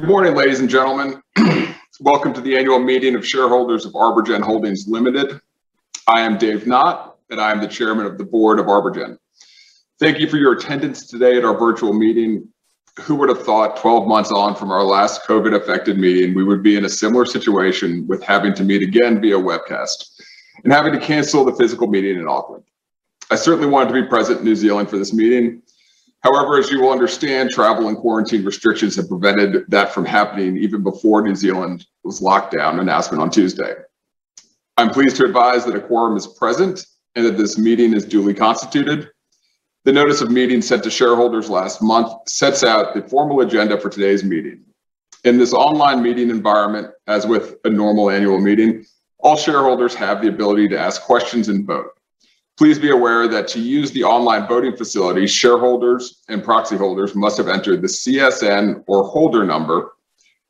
Good morning, ladies and gentlemen. Welcome to the annual meeting of shareholders of ArborGen Holdings Limited. I am Dave Knott, and I am the Chairman of the Board of ArborGen. Thank you for your attendance today at our virtual meeting. Who would have thought 12 months on from our last COVID affected meeting, we would be in a similar situation with having to meet again via webcast, and having to cancel the physical meeting in Auckland? I certainly wanted to be present in New Zealand for this meeting. However, as you will understand, travel and quarantine restrictions have prevented that from happening even before New Zealand was locked down announcement on Tuesday. I am pleased to advise that a quorum is present and that this meeting is duly constituted. The notice of meeting sent to shareholders last month sets out the formal agenda for today's meeting. In this online meeting environment, as with a normal annual meeting, all shareholders have the ability to ask questions and vote. Please be aware that to use the online voting facility, shareholders and proxy holders must have entered the CSN or holder number,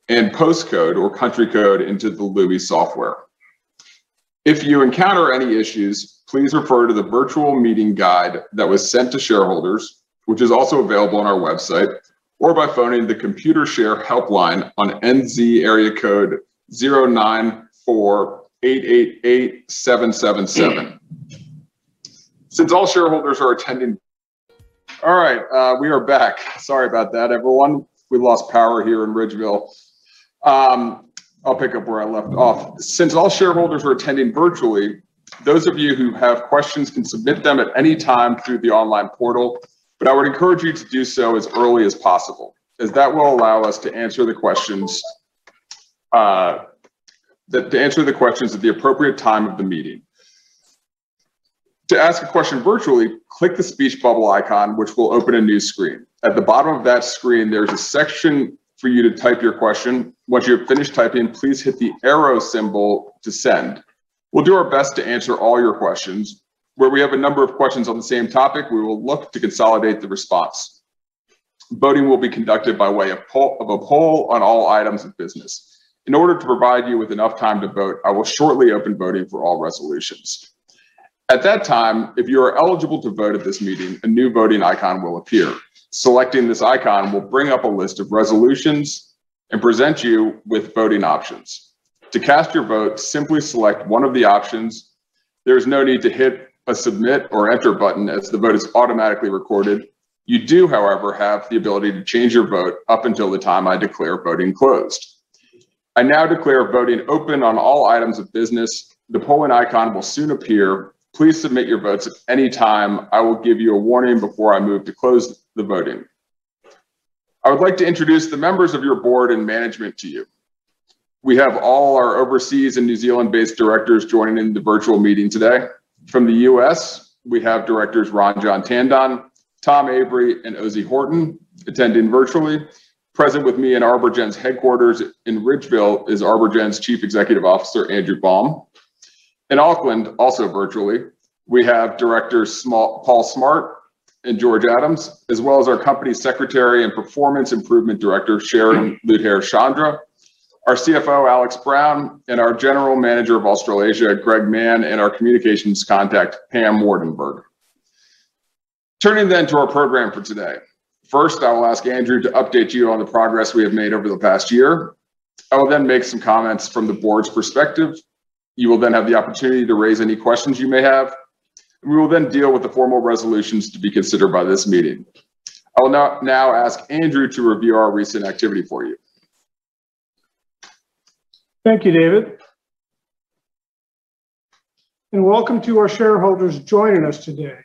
and postcode or country code into the Lumi software. If you encounter any issues, please refer to the virtual meeting guide that was sent to shareholders, which is also available on our website, or by phoning the Computershare helpline on NZ area code 094888777. All right, we are back. Sorry about that, everyone. We lost power here in Ridgeville. I'll pick up where I left off. Since all shareholders are attending virtually, those of you who have questions can submit them at any time through the online portal, but I would encourage you to do so as early as possible, as that will allow us to answer the questions at the appropriate time of the meeting. To ask a question virtually, click the speech bubble icon, which will open a new screen. At the bottom of that screen, there is a section for you to type your question. Once you have finished typing, please hit the arrow symbol to send. We will do our best to answer all your questions. Where we have a number of questions on the same topic, we will look to consolidate the response. Voting will be conducted by way of a poll on all items of business. In order to provide you with enough time to vote, I will shortly open voting for all resolutions. At that time, if you are eligible to vote at this meeting, a new voting icon will appear. Selecting this icon will bring up a list of resolutions and present you with voting options. To cast your vote, simply select one of the options. There's no need to hit a submit or enter button, as the vote is automatically recorded. You do, however, have the ability to change your vote up until the time I declare voting closed. I now declare voting open on all items of business. The polling icon will soon appear. Please submit your votes at any time. I will give you a warning before I move to close the voting. I would like to introduce the members of your board and management to you. We have all our overseas and New Zealand-based directors joining in the virtual meeting today. From the U.S., we have Directors Ranjan Tandon, Tom Avery, and Ozey Horton attending virtually. Present with me in ArborGen's headquarters in Ridgeville is ArborGen's Chief Executive Officer, Andrew Baum. In Auckland, also virtually, we have Directors Paul Smart and George Adams, as well as our Company Secretary and Performance Improvement Director, Sharon Ludher-Chandra, our CFO, Alex Brown, and our General Manager of Australasia, Greg Mann, and our communications contact, Pam Wardenburg. Turning to our program for today. First, I will ask Andrew to update you on the progress we have made over the past year. I will then make some comments from the board's perspective. You will then have the opportunity to raise any questions you may have. We will deal with the formal resolutions to be considered by this meeting. I will now ask Andrew to review our recent activity for you. Thank you, David and welcome to our shareholders joining us today.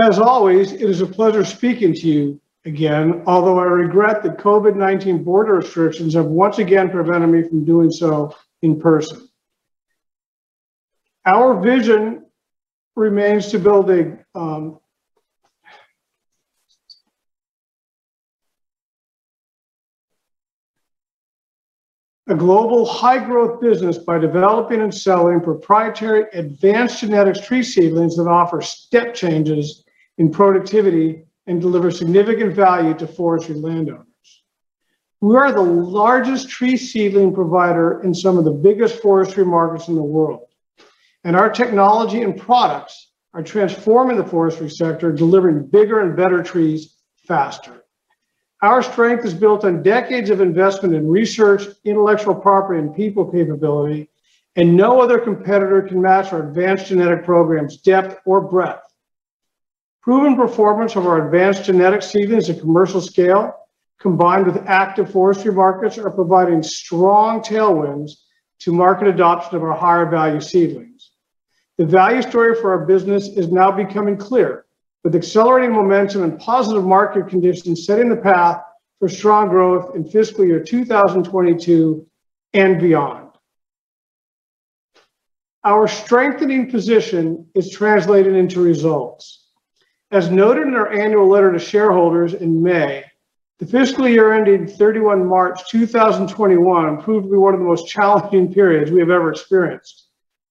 As always, it is a pleasure speaking to you again, although I regret that COVID-19 border restrictions have once again prevented me from doing so in person. Our vision remains to building a global high growth business by developing and selling proprietary advanced genetics tree seedlings that offer step changes in productivity and deliver significant value to forestry landowners. We are the largest tree seedling provider in some of the biggest forestry markets in the world, and our technology and products are transforming the forestry sector, delivering bigger and better trees faster. Our strength is built on decades of investment in research, intellectual property, and people capability, and no other competitor can match our advanced genetic program's depth or breadth. Proven performance of our advanced genetic seedlings at commercial scale, combined with active forestry markets, are providing strong tailwinds to market adoption of our higher value seedlings. The value story for our business is now becoming clear, with accelerating momentum and positive market conditions setting the path for strong growth in fiscal year 2022 and beyond. Our strengthening position is translated into results. As noted in our annual letter to shareholders in May, the fiscal year ending 31 March 2021 proved to be one of the most challenging periods we have ever experienced,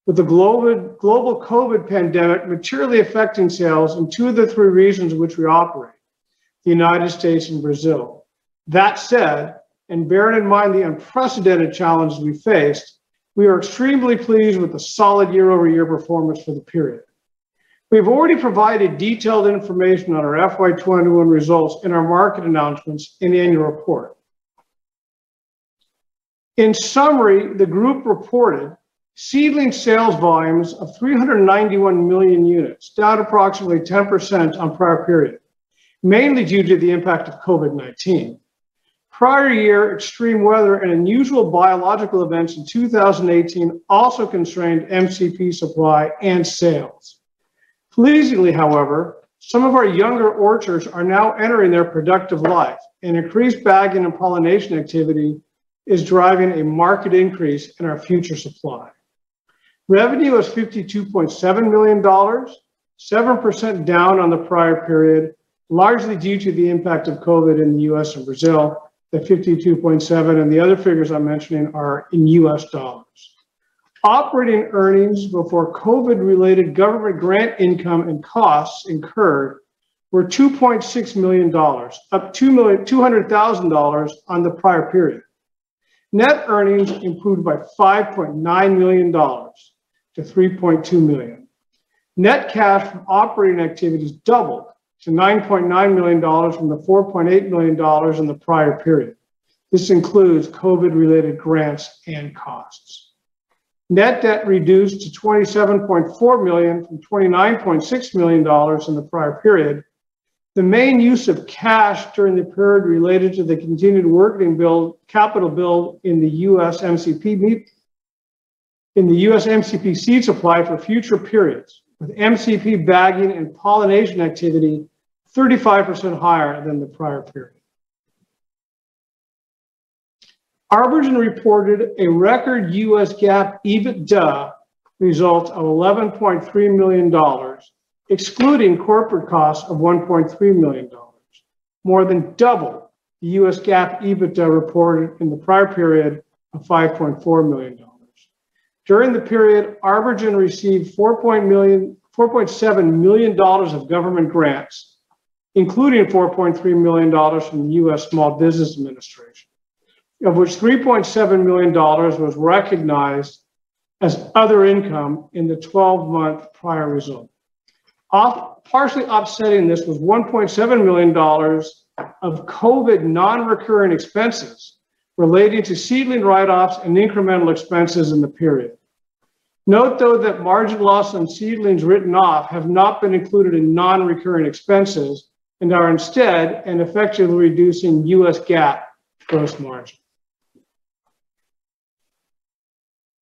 with the global COVID pandemic materially affecting sales in two of the three regions in which we operate: the U.S. and Brazil. That said, and bearing in mind the unprecedented challenge we faced, we are extremely pleased with the solid year-over-year performance for the period. We have already provided detailed information on our FY 2021 results in our market announcements and annual report. In summary, the group reported seedling sales volumes of 391 million units, down approximately 10% on prior period, mainly due to the impact of COVID-19. Prior year extreme weather and unusual biological events in 2018 also constrained MCP supply and sales. Pleasingly, however, some of our younger orchards are now entering their productive life, and increased bagging and pollination activity is driving a market increase in our future supply. Revenue was $52.7 million, 7% down on the prior period, largely due to the impact of COVID in the U.S. and Brazil. The 52.7 and the other figures I'm mentioning are in U.S. dollars. Operating earnings before COVID related government grant income and costs incurred were $2.6 million, up $200,000 on the prior period. Net earnings improved by $5.9 million to $3.2 million. Net cash from operating activities doubled to 9.9 million dollars from the 4.8 million dollars in the prior period. This includes COVID-related grants and costs. Net debt reduced to 27.4 million from 29.6 million dollars in the prior period. The main use of cash during the period related to the continued working capital build in the US MCP seed supply for future periods, with MCP bagging and pollination activity 35% higher than the prior period. ArborGen reported a record US GAAP EBITDA result of 11.3 million dollars, excluding corporate costs of 1.3 million dollars, more than double the U.S. GAAP EBITDA reported in the prior period of 5.4 million dollars. During the period, ArborGen received 4.7 million dollars of government grants, including 4.3 million dollars from the U.S. Small Business Administration, of which 3.7 million dollars was recognized as other income in the 12-month prior result. Partially offsetting this was $1.7 million of COVID non-recurring expenses relating to seedling write-offs and incremental expenses in the period. Note, though, that margin loss on seedlings written off have not been included in non-recurring expenses and are instead an effect of reducing US GAAP gross margin.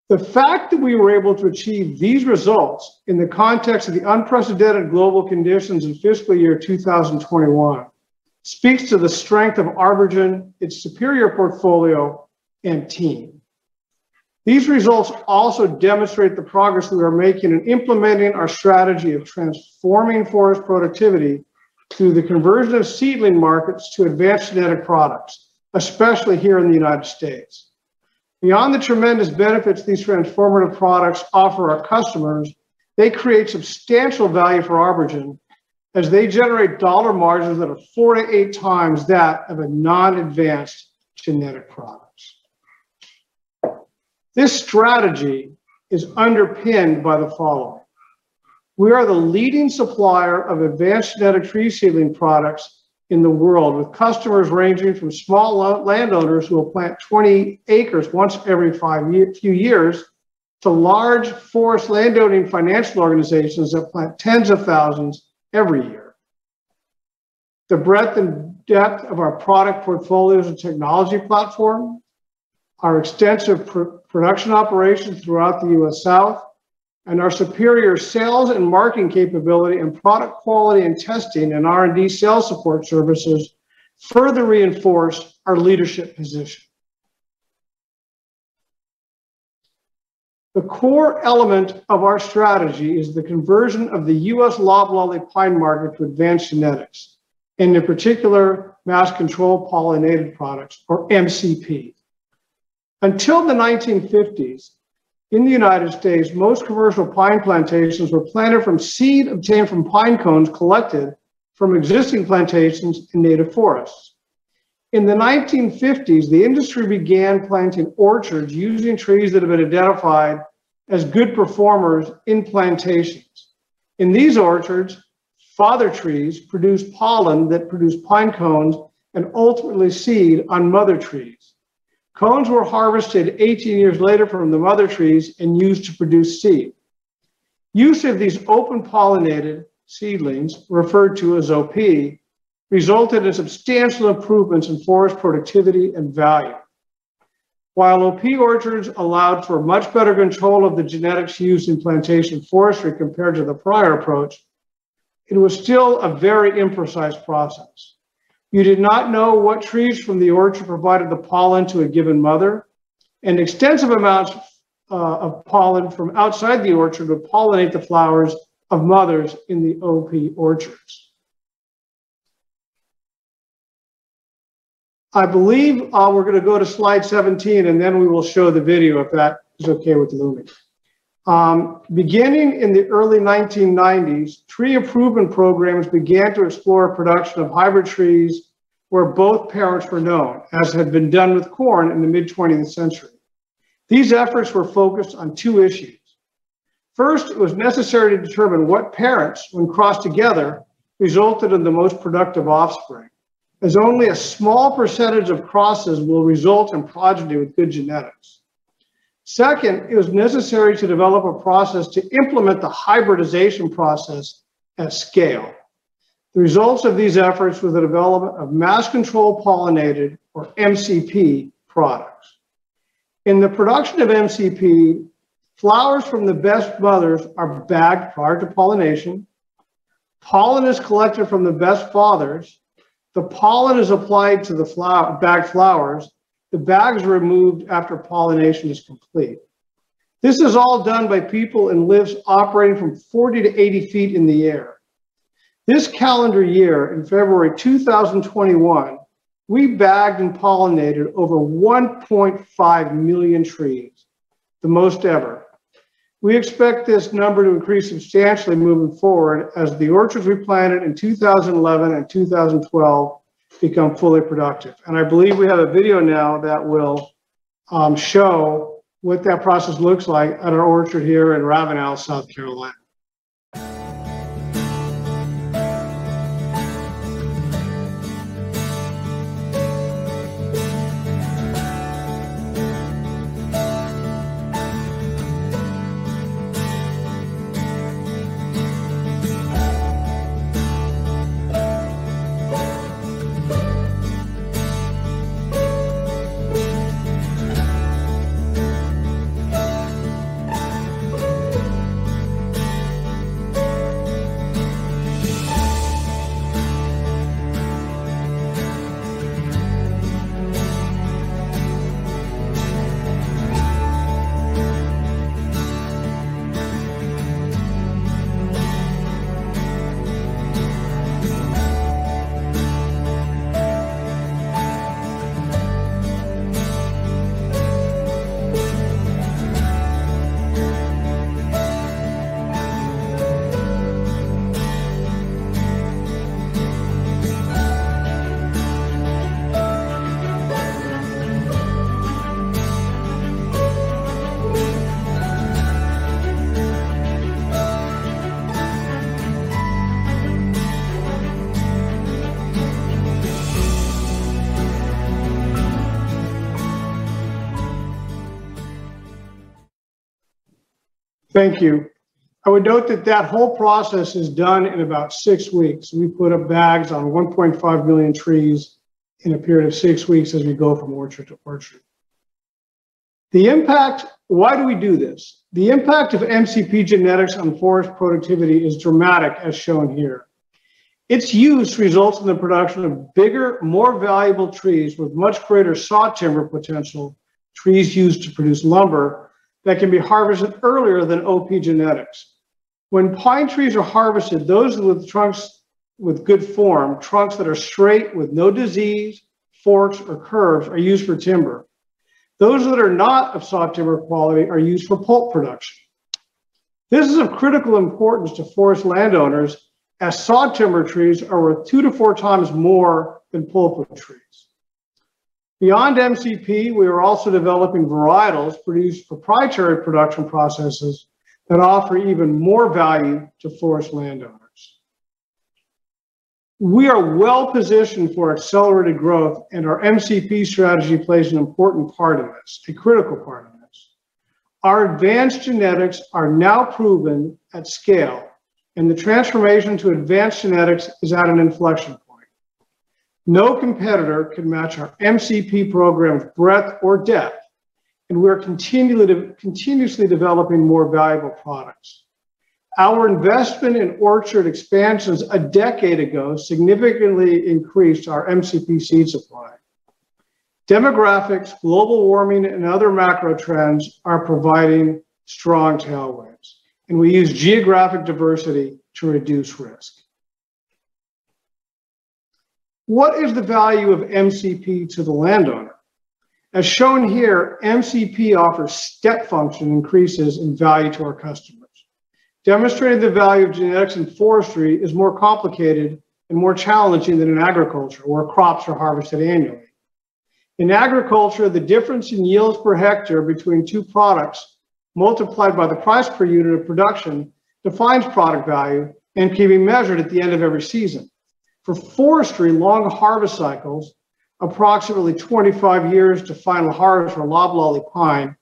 The fact that we were able to achieve these results in the context of the unprecedented global conditions in fiscal year 2021 speaks to the strength of ArborGen, its superior portfolio, and team. These results also demonstrate the progress we are making in implementing our strategy of transforming forest productivity through the conversion of seedling markets to advanced genetic products, especially here in the U.S. Beyond the tremendous benefits these transformative products offer our customers, they create substantial value for ArborGen as they generate dollar margins that are four to eight times that of a non-advanced genetic products. This strategy is underpinned by the following. We are the leading supplier of advanced genetic tree seedling products in the world, with customers ranging from small landowners who will plant 20 acres once every few years to large forest landowning financial organizations that plant tens of thousands every year. The breadth and depth of our product portfolios and technology platform, our extensive production operations throughout the U.S. South, and our superior sales and marketing capability and product quality and testing and R&D sales support services further reinforce our leadership position. The core element of our strategy is the conversion of the U.S. loblolly pine market to advanced genetics, and in particular, mass control pollinated products, or MCP. Until the 1950s in the United States, most commercial pine plantations were planted from seed obtained from pine cones collected from existing plantations in native forests. In the 1950s, the industry began planting orchards using trees that have been identified as good performers in plantations. In these orchards, father trees produced pollen that produced pine cones and ultimately seed on mother trees. Cones were harvested 18 years later from the mother trees and used to produce seed. Use of these open-pollinated seedlings, referred to as OP, resulted in substantial improvements in forest productivity and value. While OP orchards allowed for much better control of the genetics used in plantation forestry compared to the prior approach, it was still a very imprecise process. You did not know what trees from the orchard provided the pollen to a given mother, and extensive amounts of pollen from outside the orchard would pollinate the flowers of mothers in the OP orchards. I believe we're going to go to slide 17, and then we will show the video, if that is okay with Louis. Beginning in the early 1990s, tree improvement programs began to explore production of hybrid trees where both parents were known, as had been done with corn in the mid-20th century. These efforts were focused on two issues. First, it was necessary to determine what parents, when crossed together, resulted in the most productive offspring, as only a small % of crosses will result in progeny with good genetics. Second, it was necessary to develop a process to implement the hybridization process at scale. The results of these efforts was the development of mass control pollinated, or MCP, products. In the production of MCP, flowers from the best mothers are bagged prior to pollination, pollen is collected from the best fathers, the pollen is applied to the bagged flowers, the bag is removed after pollination is complete. This is all done by people in lifts operating from 40 to 80 ft in the air. This calendar year, in February 2021, we bagged and pollinated over 1.5 million trees. The most ever. We expect this number to increase substantially moving forward as the orchards we planted in 2011 and 2012 become fully productive. I believe we have a video now that will show what that process looks like at our orchard here in Ravenel, South Carolina. Thank you. I would note that that whole process is done in about six weeks. We put up bags on 1.5 million trees in a period of six weeks as we go from orchard to orchard. The impact. Why do we do this? The impact of MCP genetics on forest productivity is dramatic, as shown here. Its use results in the production of bigger, more valuable trees with much greater saw timber potential, trees used to produce lumber, that can be harvested earlier than OP genetics. When pine trees are harvested, those with trunks with good form, trunks that are straight with no disease, forks, or curves, are used for timber. Those that are not of saw timber quality are used for pulp production. This is of critical importance to forest landowners, as saw timber trees are worth two to four times more than pulpwood trees. Beyond MCP, we are also developing varietals, produced proprietary production processes that offer even more value to forest landowners. We are well-positioned for accelerated growth, and our MCP strategy plays an important part in this, a critical part in this. Our advanced genetics are now proven at scale, and the transformation to advanced genetics is at an inflection point. No competitor can match our MCP program's breadth or depth, and we are continuously developing more valuable products. Our investment in orchard expansions a decade ago significantly increased our MCP seed supply. Demographics, global warming, and other macro trends are providing strong tailwinds, and we use geographic diversity to reduce risk. What is the value of MCP to the landowner? As shown here, MCP offers step function increases in value to our customers. Demonstrating the value of genetics in forestry is more complicated and more challenging than in agriculture, where crops are harvested annually. In agriculture, the difference in yields per hectare between two products, multiplied by the price per unit of production, defines product value and can be measured at the end of every season. For forestry, long harvest cycles, approximately 25 years to final harvest for loblolly pine,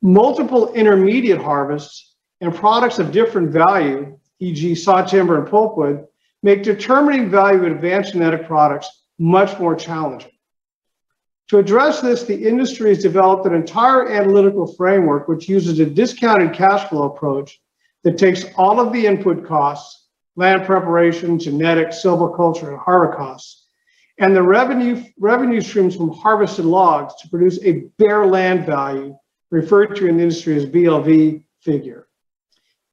multiple intermediate harvests, and products of different value, e.g. saw timber and pulpwood, make determining value in advanced genetic products much more challenging. To address this, the industry has developed an entire analytical framework which uses a discounted cash flow approach that takes all of the input costs, land preparation, genetics, silviculture, and harvest costs, and the revenue streams from harvested logs to produce a bare land value, referred to in the industry as BLV figure.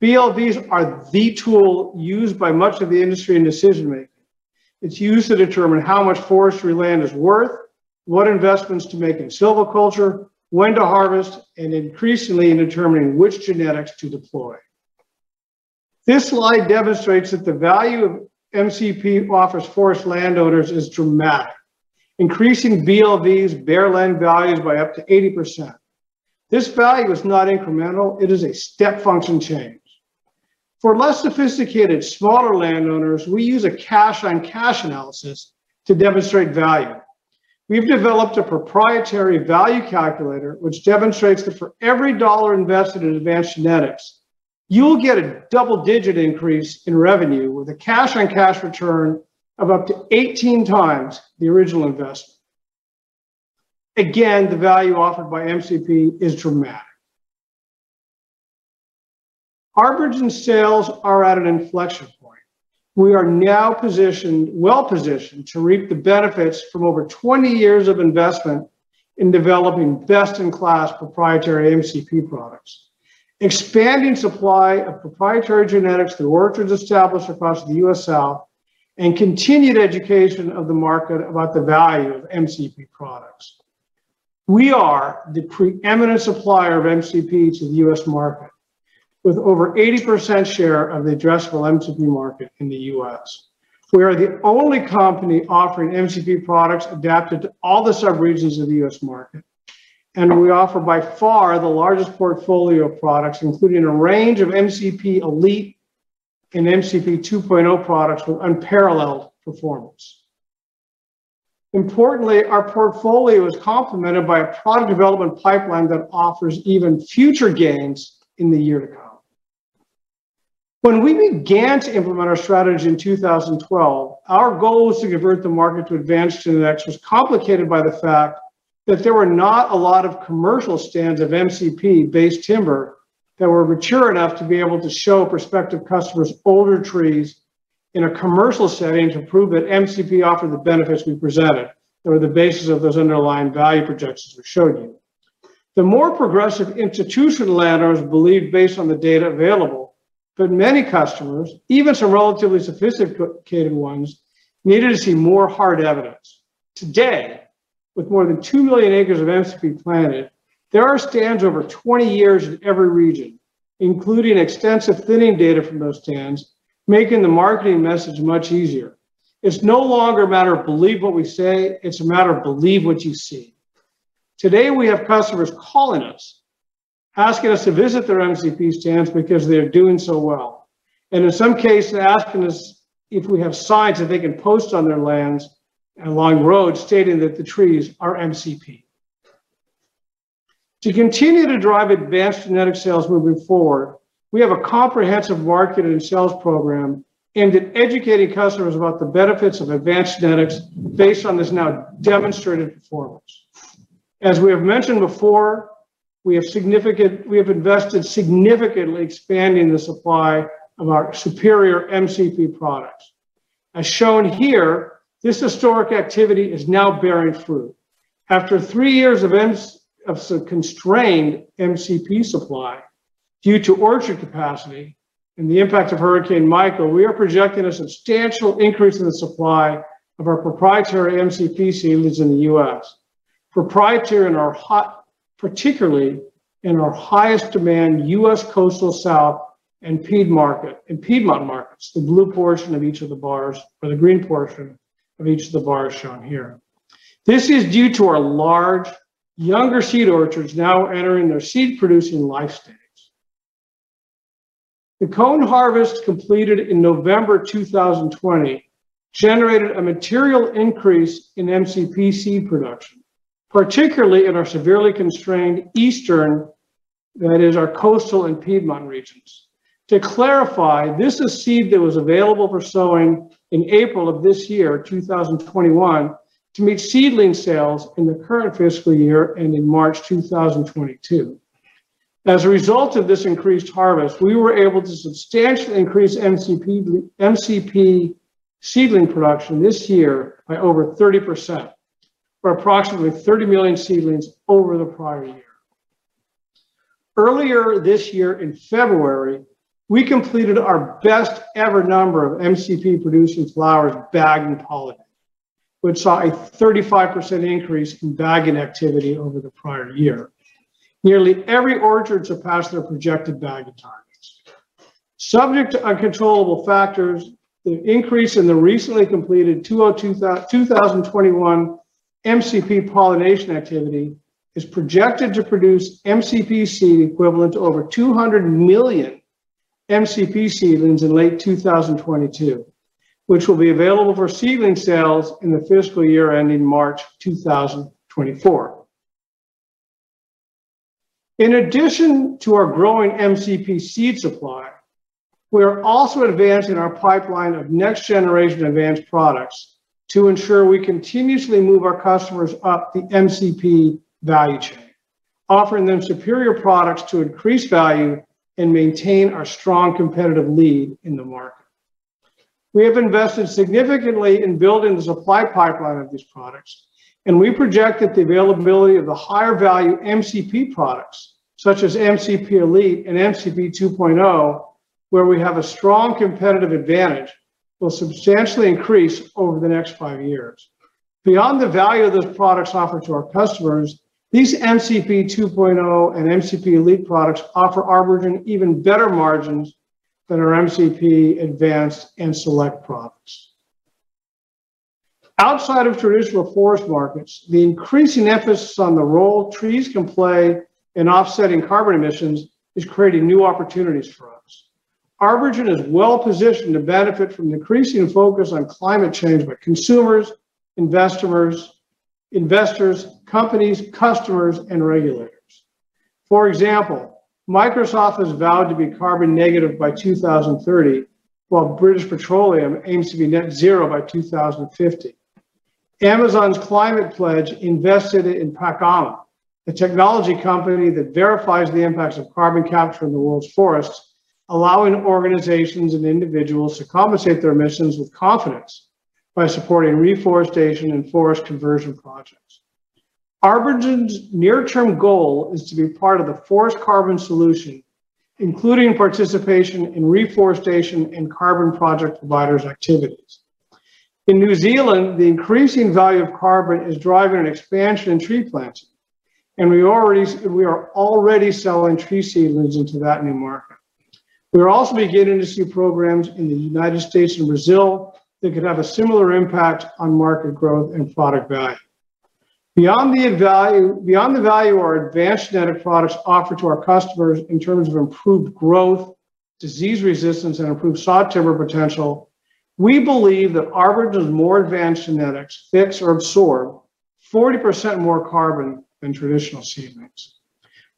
BLVs are the tool used by much of the industry in decision-making. It is used to determine how much forestry land is worth, what investments to make in silviculture, when to harvest, and increasingly, in determining which genetics to deploy. This slide demonstrates that the value of MCP offers forest landowners is dramatic, increasing BLVs, bare land values, by up to 80%. This value is not incremental. It is a step function change. For less sophisticated, smaller landowners, we use a cash-on-cash analysis to demonstrate value. We have developed a proprietary value calculator, which demonstrates that for every NZD 1 invested in advanced genetics, you will get a double-digit increase in revenue with a cash-on-cash return of up to 18 times the original investment. Again, the value offered by MCP is dramatic. ArborGen sales are at an inflection point. We are now well-positioned to reap the benefits from over 20 years of investment in developing best-in-class proprietary MCP products, expanding supply of proprietary genetics through orchards established across the U.S. South, and continued education of the market about the value of MCP products. We are the preeminent supplier of MCP to the U.S. market, with over 80% share of the addressable MCP market in the U.S. We are the only company offering MCP products adapted to all the sub-regions of the U.S. market. We offer by far the largest portfolio of products, including a range of MCP Elite and MCP 2.0 products with unparalleled performance. Importantly, our portfolio is complemented by a product development pipeline that offers even future gains in the year to come. When we began to implement our strategy in 2012, our goal was to convert the market to advanced genetics, was complicated by the fact that there were not a lot of commercial stands of MCP-based timber that were mature enough to be able to show prospective customers older trees in a commercial setting to prove that MCP offered the benefits we presented. They were the basis of those underlying value projections I showed you. The more progressive institutional landowners believed based on the data available, but many customers, even some relatively sophisticated ones, needed to see more hard evidence. Today, with more than 2 million acres of MCP planted, there are stands over 20 years in every region, including extensive thinning data from those stands, making the marketing message much easier. It's no longer a matter of believe what we say, it's a matter of believe what you see. Today, we have customers calling us, asking us to visit their MCP stands because they are doing so well. In some cases, they're asking us if we have signs that they can post on their lands and along roads stating that the trees are MCP. To continue to drive advanced genetic sales moving forward, we have a comprehensive market and sales program aimed at educating customers about the benefits of advanced genetics based on this now demonstrated performance. As we have mentioned before, we have invested significantly expanding the supply of our superior MCP products. As shown here, this historic activity is now bearing fruit. After three years of constrained MCP supply due to orchard capacity and the impact of Hurricane Michael, we are projecting a substantial increase in the supply of our proprietary MCP seedlings in the U.S. Proprietary and particularly in our highest demand U.S. Coastal South and Piedmont markets, the blue portion of each of the bars, or the green portion of each of the bars shown here. This is due to our large, younger seed orchards now entering their seed-producing life stages. The cone harvest completed in November 2020 generated a material increase in MCP seed production, particularly in our severely constrained eastern, that is our coastal and Piedmont regions. To clarify, this is seed that was available for sowing in April of this year, 2021, to meet seedling sales in the current fiscal year, ending March 2022. As a result of this increased harvest, we were able to substantially increase MCP seedling production this year by over 30%, or approximately 30 million seedlings over the prior year. Earlier this year in February, we completed our best ever number of MCP-producing flowers bagged and pollinated, which saw a 35% increase in bagging activity over the prior year. Nearly every orchard surpassed their projected bagging targets. Subject to uncontrollable factors, the increase in the recently completed 2021 MCP pollination activity is projected to produce MCP seed equivalent to over 200 million MCP seedlings in late 2022, which will be available for seedling sales in the fiscal year ending March 2024. In addition to our growing MCP seed supply, we are also advancing our pipeline of next generation advanced products to ensure we continuously move our customers up the MCP value chain, offering them superior products to increase value and maintain our strong competitive lead in the market. We have invested significantly in building the supply pipeline of these products, and we project that the availability of the higher value MCP products, such as MCP Elite and MCP 2.0, where we have a strong competitive advantage, will substantially increase over the next five years. Beyond the value of those products offered to our customers, these MCP 2.0 and MCP Elite products offer ArborGen even better margins than our MCP Advanced and Select products. Outside of traditional forest markets, the increasing emphasis on the role trees can play in offsetting carbon emissions is creating new opportunities for us. ArborGen is well positioned to benefit from the increasing focus on climate change by consumers, investors, companies, customers, and regulators. For example, Microsoft has vowed to be carbon negative by 2030, while British Petroleum aims to be net zero by 2050. Amazon's climate pledge invested in Pachama, the technology company that verifies the impacts of carbon capture in the world's forests, allowing organizations and individuals to compensate their emissions with confidence by supporting reforestation and forest conversion projects. ArborGen's near term goal is to be part of the forest carbon solution, including participation in reforestation and carbon project providers' activities. In New Zealand, the increasing value of carbon is driving an expansion in tree planting, and we are already selling tree seedlings into that new market. We are also beginning to see programs in the United States and Brazil that could have a similar impact on market growth and product value. Beyond the value our advanced genetic products offer to our customers in terms of improved growth, disease resistance, and improved saw timber potential, we believe that ArborGen's more advanced genetics fix or absorb 40% more carbon than traditional seedlings.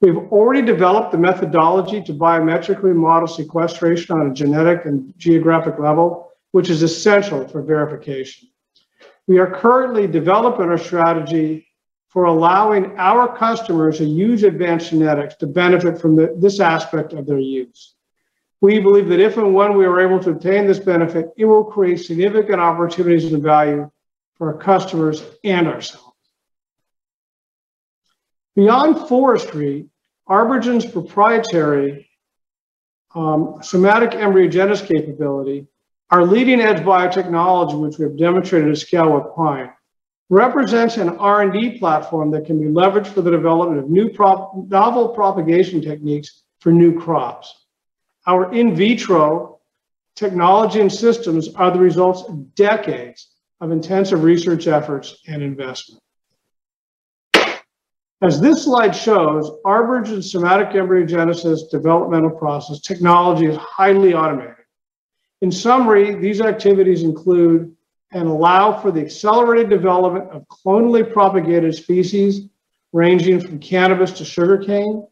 We've already developed the methodology to biometrically model sequestration on a genetic and geographic level, which is essential for verification. We are currently developing a strategy for allowing our customers to use advanced genetics to benefit from this aspect of their use. We believe that if and when we are able to obtain this benefit, it will create significant opportunities and value for our customers and ourselves. Beyond forestry, ArborGen's proprietary somatic embryogenesis capability, our leading edge biotechnology, which we have demonstrated at scale with pine, represents an R&D platform that can be leveraged for the development of novel propagation techniques for new crops. Our in vitro technology and systems are the results of decades of intensive research efforts and investment. As this slide shows, ArborGen's somatic embryogenesis developmental process technology is highly automated. In summary, these activities include and allow for the accelerated development of clonally propagated species, ranging from cannabis to sugarcane.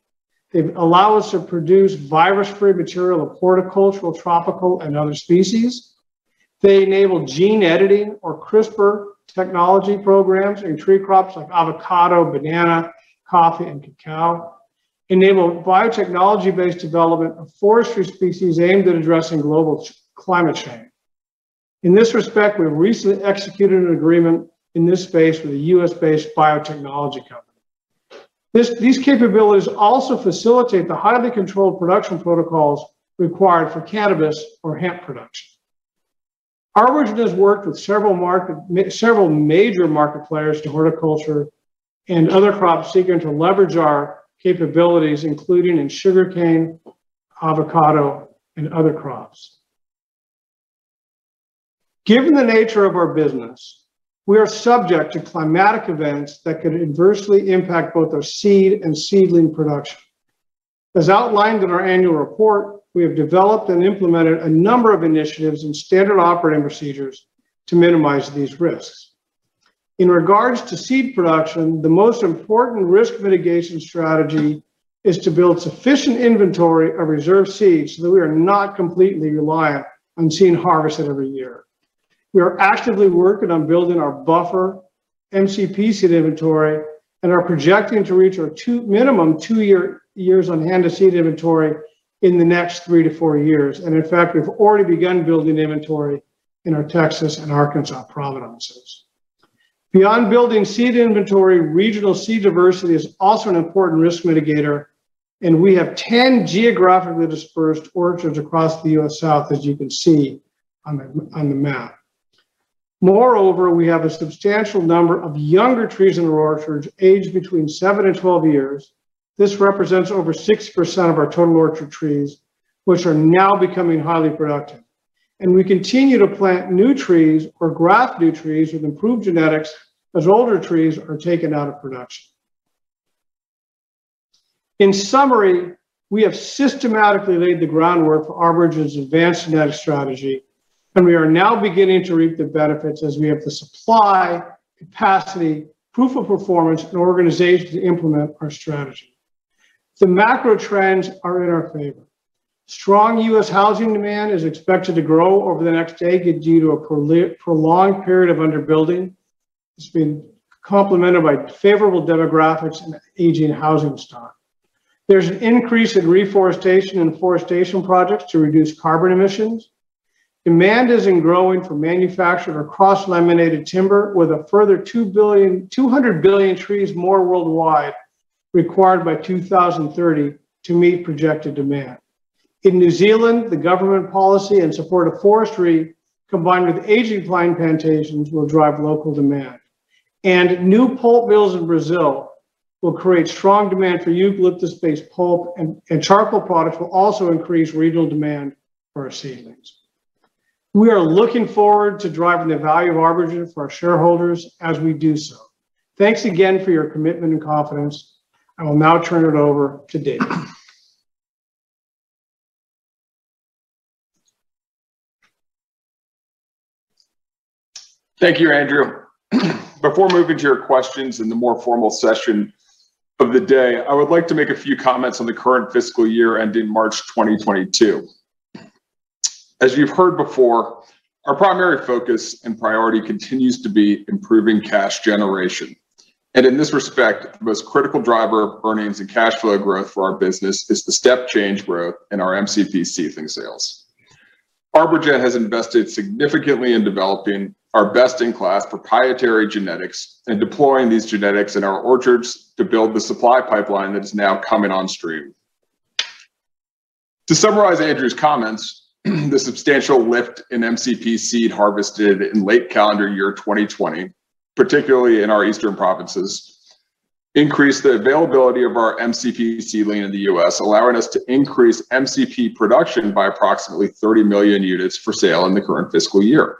They allow us to produce virus free material of horticultural, tropical, and other species. They enable gene editing or CRISPR technology programs in tree crops like avocado, banana, coffee, and cacao. Enable biotechnology-based development of forestry species aimed at addressing global climate change. In this respect, we've recently executed an agreement in this space with a US-based biotechnology company. These capabilities also facilitate the highly controlled production protocols required for cannabis or hemp production. ArborGen has worked with several major market players to horticulture and other crops seeking to leverage our capabilities, including in sugarcane, avocado, and other crops. Given the nature of our business, we are subject to climatic events that could adversely impact both our seed and seedling production. As outlined in our annual report, we have developed and implemented a number of initiatives and standard operating procedures to minimize these risks. In regards to seed production, the most important risk mitigation strategy is to build sufficient inventory of reserve seeds, so that we are not completely reliant on seed harvested every year. We are actively working on building our buffer MCP seed inventory and are projecting to reach our minimum two years on-hand of seed inventory in the next three to four years. In fact, we've already begun building inventory in our Texas and Arkansas provenance. Beyond building seed inventory, regional seed diversity is also an important risk mitigator, and we have 10 geographically dispersed orchards across the U.S. South, as you can see on the map. Moreover, we have a substantial number of younger trees in our orchards aged between seven and 12 years. This represents over 6% of our total orchard trees, which are now becoming highly productive. We continue to plant new trees or graft new trees with improved genetics as older trees are taken out of production. In summary, we have systematically laid the groundwork for ArborGen's advanced genetic strategy, and we are now beginning to reap the benefits as we have the supply, capacity, proof of performance, and organization to implement our strategy. The macro trends are in our favor. Strong U.S. housing demand is expected to grow over the next decade due to a prolonged period of under-building. It's been complemented by favorable demographics and aging housing stock. There's an increase in reforestation and forestation projects to reduce carbon emissions. Demand is growing for manufactured or cross-laminated timber, with a further 200 billion trees more worldwide required by 2030 to meet projected demand. In New Zealand, the government policy in support of forestry, combined with aging pine plantations, will drive local demand. New pulp mills in Brazil will create strong demand for eucalyptus-based pulp, and charcoal products will also increase regional demand for our seedlings. We are looking forward to driving the value of ArborGen for our shareholders as we do so. Thanks again for your commitment and confidence. I will now turn it over to Dave. Thank you, Andrew. Before moving to your questions in the more formal session of the day, I would like to make a few comments on the current fiscal year ending March 2022. As you've heard before, our primary focus and priority continues to be improving cash generation. In this respect, the most critical driver of earnings and cash flow growth for our business is the step change growth in our MCP seedling sales. ArborGen has invested significantly in developing our best-in-class proprietary genetics and deploying these genetics in our orchards to build the supply pipeline that is now coming on stream. To summarize Andrew's comments, the substantial lift in MCP seed harvested in late calendar year 2020, particularly in our eastern provinces, increased the availability of our MCP seedling in the U.S., allowing us to increase MCP production by approximately 30 million units for sale in the current fiscal year.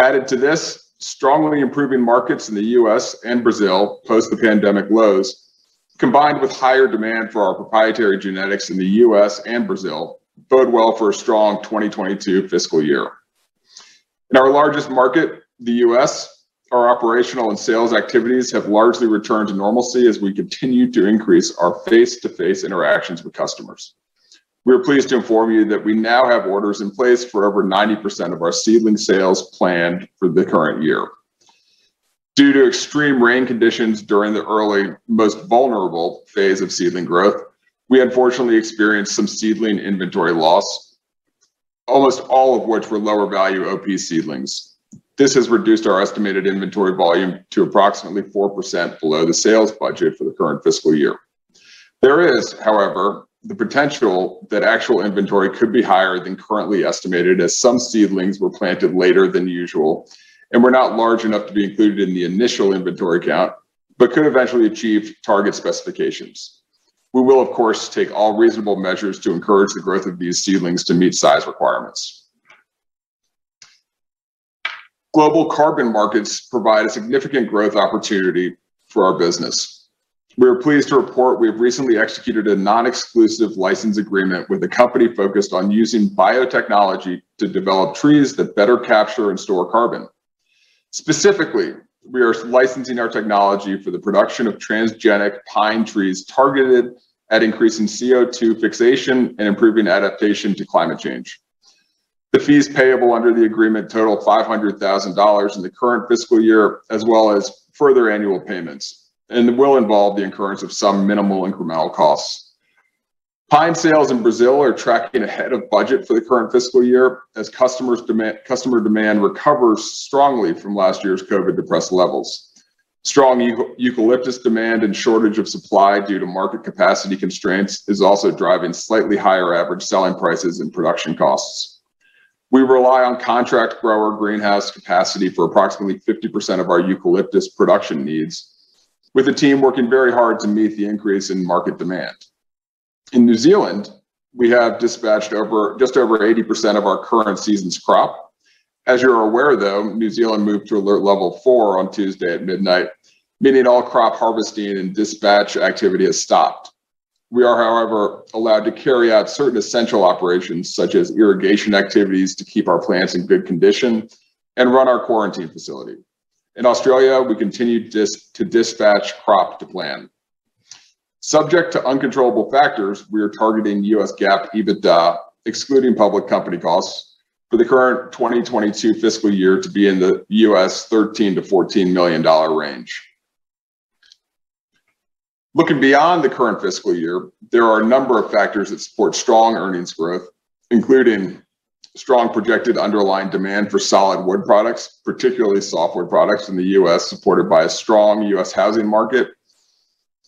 Added to this, strongly improving markets in the U.S. and Brazil post the pandemic lows, combined with higher demand for our proprietary genetics in the U.S. and Brazil, bode well for a strong 2022 fiscal year. In our largest market, the U.S., our operational and sales activities have largely returned to normalcy as we continue to increase our face-to-face interactions with customers. We are pleased to inform you that we now have orders in place for over 90% of our seedling sales planned for the current year. Due to extreme rain conditions during the early, most vulnerable phase of seedling growth, we unfortunately experienced some seedling inventory loss, almost all of which were lower value OP seedlings. This has reduced our estimated inventory volume to approximately 4% below the sales budget for the current fiscal year. There is, however, the potential that actual inventory could be higher than currently estimated, as some seedlings were planted later than usual and were not large enough to be included in the initial inventory count, but could eventually achieve target specifications. We will, of course, take all reasonable measures to encourage the growth of these seedlings to meet size requirements. Global carbon markets provide a significant growth opportunity for our business. We are pleased to report we've recently executed a non-exclusive license agreement with a company focused on using biotechnology to develop trees that better capture and store carbon. Specifically, we are licensing our technology for the production of transgenic pine trees targeted at increasing CO2 fixation and improving adaptation to climate change. The fees payable under the agreement total 500,000 dollars in the current fiscal year, as well as further annual payments, and will involve the incurrence of some minimal incremental costs. Pine sales in Brazil are tracking ahead of budget for the current fiscal year as customer demand recovers strongly from last year's COVID-depressed levels. Strong eucalyptus demand and shortage of supply due to market capacity constraints is also driving slightly higher average selling prices and production costs. We rely on contract grower greenhouse capacity for approximately 50% of our eucalyptus production needs, with the team working very hard to meet the increase in market demand. In New Zealand, we have dispatched just over 80% of our current season's crop. As you're aware, though, New Zealand moved to alert level 4 on Tuesday at midnight, meaning all crop harvesting and dispatch activity has stopped. We are, however, allowed to carry out certain essential operations, such as irrigation activities to keep our plants in good condition and run our quarantine facility. In Australia, we continue to dispatch crop to plan. Subject to uncontrollable factors, we are targeting US GAAP EBITDA, excluding public company costs, for the current 2022 fiscal year to be in the $13 million-$14 million range. Looking beyond the current fiscal year, there are a number of factors that support strong earnings growth, including strong projected underlying demand for solid wood products, particularly softwood products in the U.S., supported by a strong U.S. housing market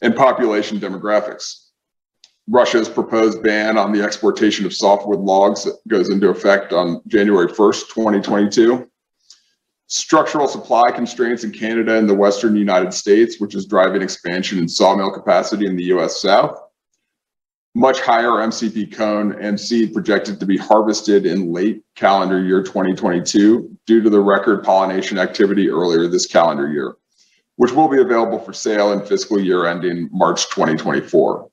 and population demographics. Russia's proposed ban on the exportation of softwood logs that goes into effect on January 1st, 2022. Structural supply constraints in Canada and the western U.S., which is driving expansion in sawmill capacity in the U.S. South. Much higher MCP cone and seed projected to be harvested in late calendar year 2022 due to the record pollination activity earlier this calendar year, which will be available for sale in fiscal year ending March 2024.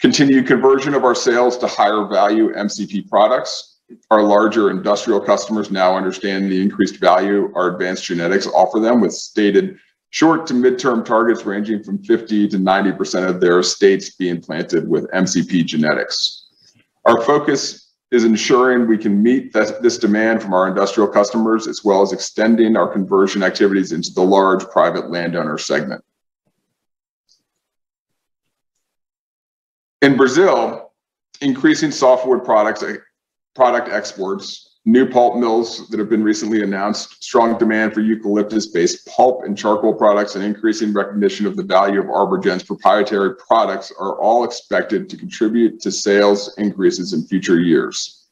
Continued conversion of our sales to higher value MCP products. Our larger industrial customers now understand the increased value our advanced genetics offer them, with stated short to mid-term targets ranging from 50% to 90% of their estates being planted with MCP genetics. Our focus is ensuring we can meet this demand from our industrial customers, as well as extending our conversion activities into the large private landowner segment. In Brazil, increasing softwood product exports, new pulp mills that have been recently announced, strong demand for eucalyptus-based pulp and charcoal products, and increasing recognition of the value of ArborGen's proprietary products are all expected to contribute to sales increases in future years.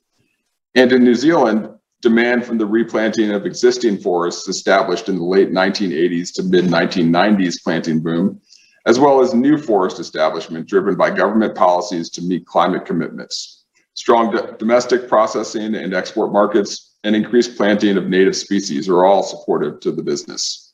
In New Zealand, demand from the replanting of existing forests established in the late 1980s to mid-1990s planting boom, as well as new forest establishment driven by government policies to meet climate commitments, strong domestic processing and export markets, and increased planting of native species are all supportive to the business.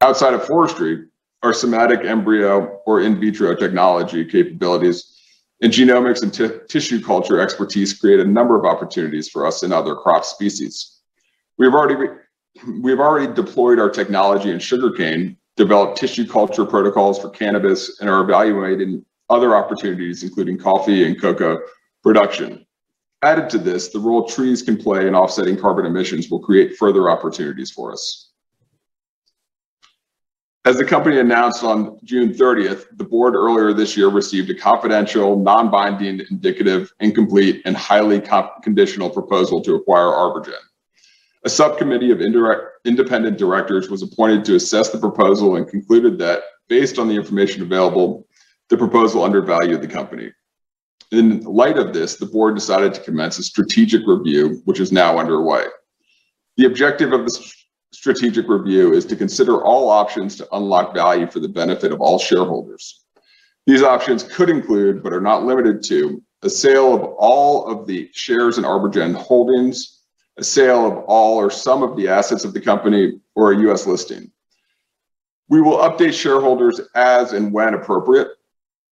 Outside of forestry, our somatic embryo or in vitro technology capabilities and genomics and tissue culture expertise create a number of opportunities for us in other crop species. We've already deployed our technology in sugarcane, developed tissue culture protocols for cannabis, and are evaluating other opportunities, including coffee and cocoa production. Added to this, the role trees can play in offsetting carbon emissions will create further opportunities for us. As the company announced on June 30, the board earlier this year received a confidential, non-binding, indicative, incomplete, and highly conditional proposal to acquire ArborGen. A subcommittee of independent directors was appointed to assess the proposal and concluded that, based on the information available, the proposal undervalued the company. In light of this, the board decided to commence a strategic review, which is now underway. The objective of this strategic review is to consider all options to unlock value for the benefit of all shareholders. These options could include, but are not limited to, the sale of all of the shares in ArborGen Holdings, a sale of all or some of the assets of the company, or a U.S. listing. We will update shareholders as and when appropriate.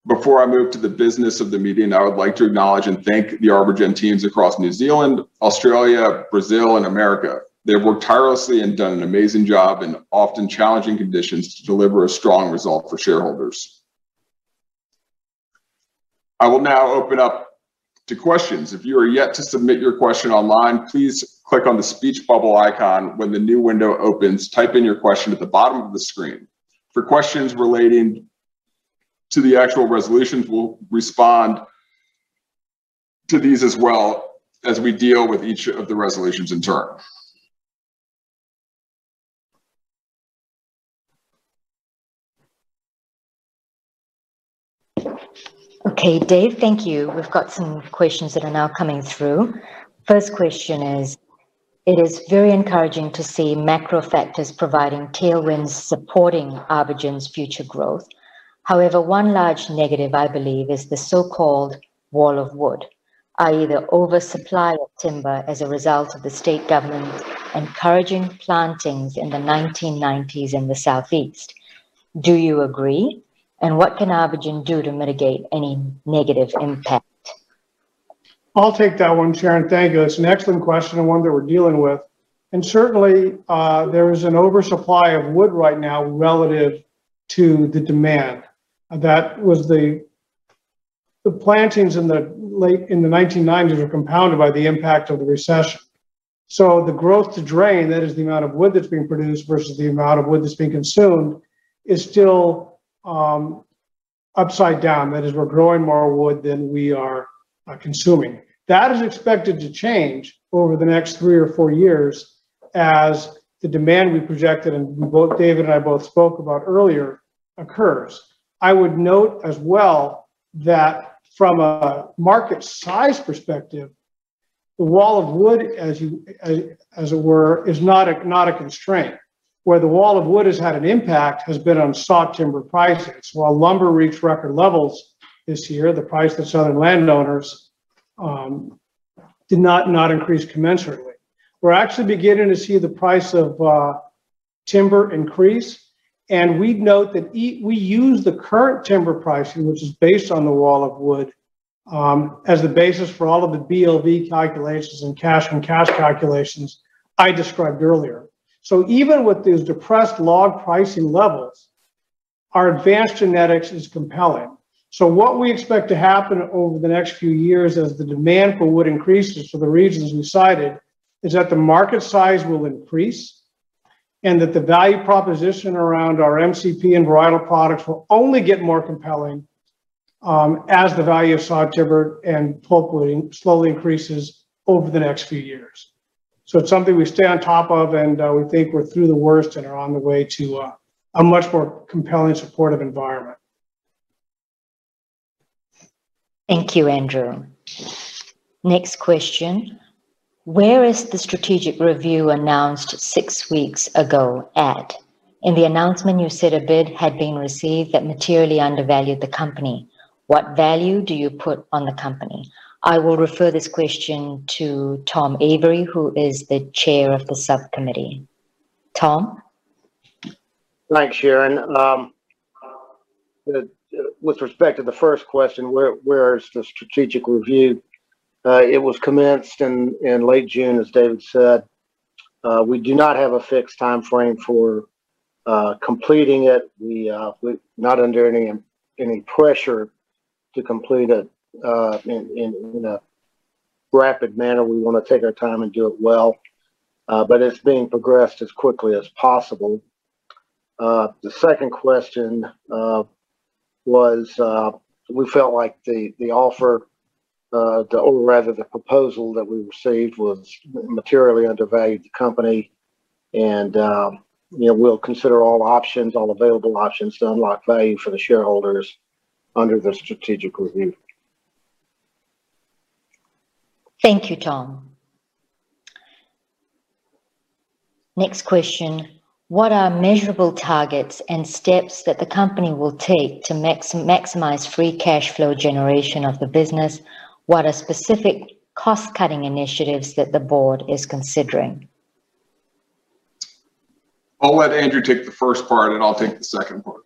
Before I move to the business of the meeting, I would like to acknowledge and thank the ArborGen teams across New Zealand, Australia, Brazil, and America. They have worked tirelessly and done an amazing job in often challenging conditions to deliver a strong result for shareholders. I will now open up to questions. If you are yet to submit your question online, please click on the speech bubble icon. When the new window opens, type in your question at the bottom of the screen. For questions relating to the actual resolutions, we'll respond to these as well as we deal with each of the resolutions in turn. Okay, Dave, thank you. We've got some questions that are now coming through. First question is, "It is very encouraging to see macro factors providing tailwinds supporting ArborGen's future growth. However, one large negative, I believe, is the so-called wall of wood, i.e., the oversupply of timber as a result of the state government encouraging plantings in the 1990s in the Southeast. Do you agree, and what can ArborGen do to mitigate any negative impact? I'll take that one, Sharon. Thank you. That's an excellent question and one that we're dealing with. Certainly, there is an oversupply of wood right now relative to the demand. The plantings in the 1990s were compounded by the impact of the recession. The growth to drain, that is the amount of wood that's being produced versus the amount of wood that's being consumed, is still upside down. That is, we're growing more wood than we are consuming. That is expected to change over the next three or four years as the demand we projected, and David and I both spoke about earlier, occurs. I would note as well that from a market size perspective, the wall of wood, as it were, is not a constraint. Where the wall of wood has had an impact has been on saw timber prices. While lumber reached record levels this year, the price to southern landowners did not increase commensurately. We're actually beginning to see the price of timber increase, and we'd note that we use the current timber pricing, which is based on the wall of wood, as the basis for all of the BLV calculations and cash-on-cash calculations I described earlier. Even with these depressed log pricing levels, our advanced genetics is compelling. What we expect to happen over the next few years as the demand for wood increases for the reasons we cited is that the market size will increase and that the value proposition around our MCP and varietal products will only get more compelling as the value of saw timber and pulpwood slowly increases over the next few years. It's something we stay on top of, and we think we're through the worst and are on the way to a much more compelling supportive environment. Thank you, Andrew. Next question, "Where is the strategic review announced six weeks ago at? In the announcement, you said a bid had been received that materially undervalued the company. What value do you put on the company?" I will refer this question to Tom Avery, who is the chair of the subcommittee. Tom? Thanks, Sharon. With respect to the first question, where is the strategic review? It was commenced in late June, as David said. We do not have a fixed timeframe for completing it. We're not under any pressure to complete it in a rapid manner. We want to take our time and do it well. It's being progressed as quickly as possible. The second question was, we felt like the offer, or rather the proposal that we received, was materially undervalued the company. We'll consider all options, all available options to unlock value for the shareholders under the strategic review. Thank you, Tom. Next question. What are measurable targets and steps that the company will take to maximize free cash flow generation of the business? What are specific cost-cutting initiatives that the Board is considering? I'll let Andrew take the first part, and I'll take the second part.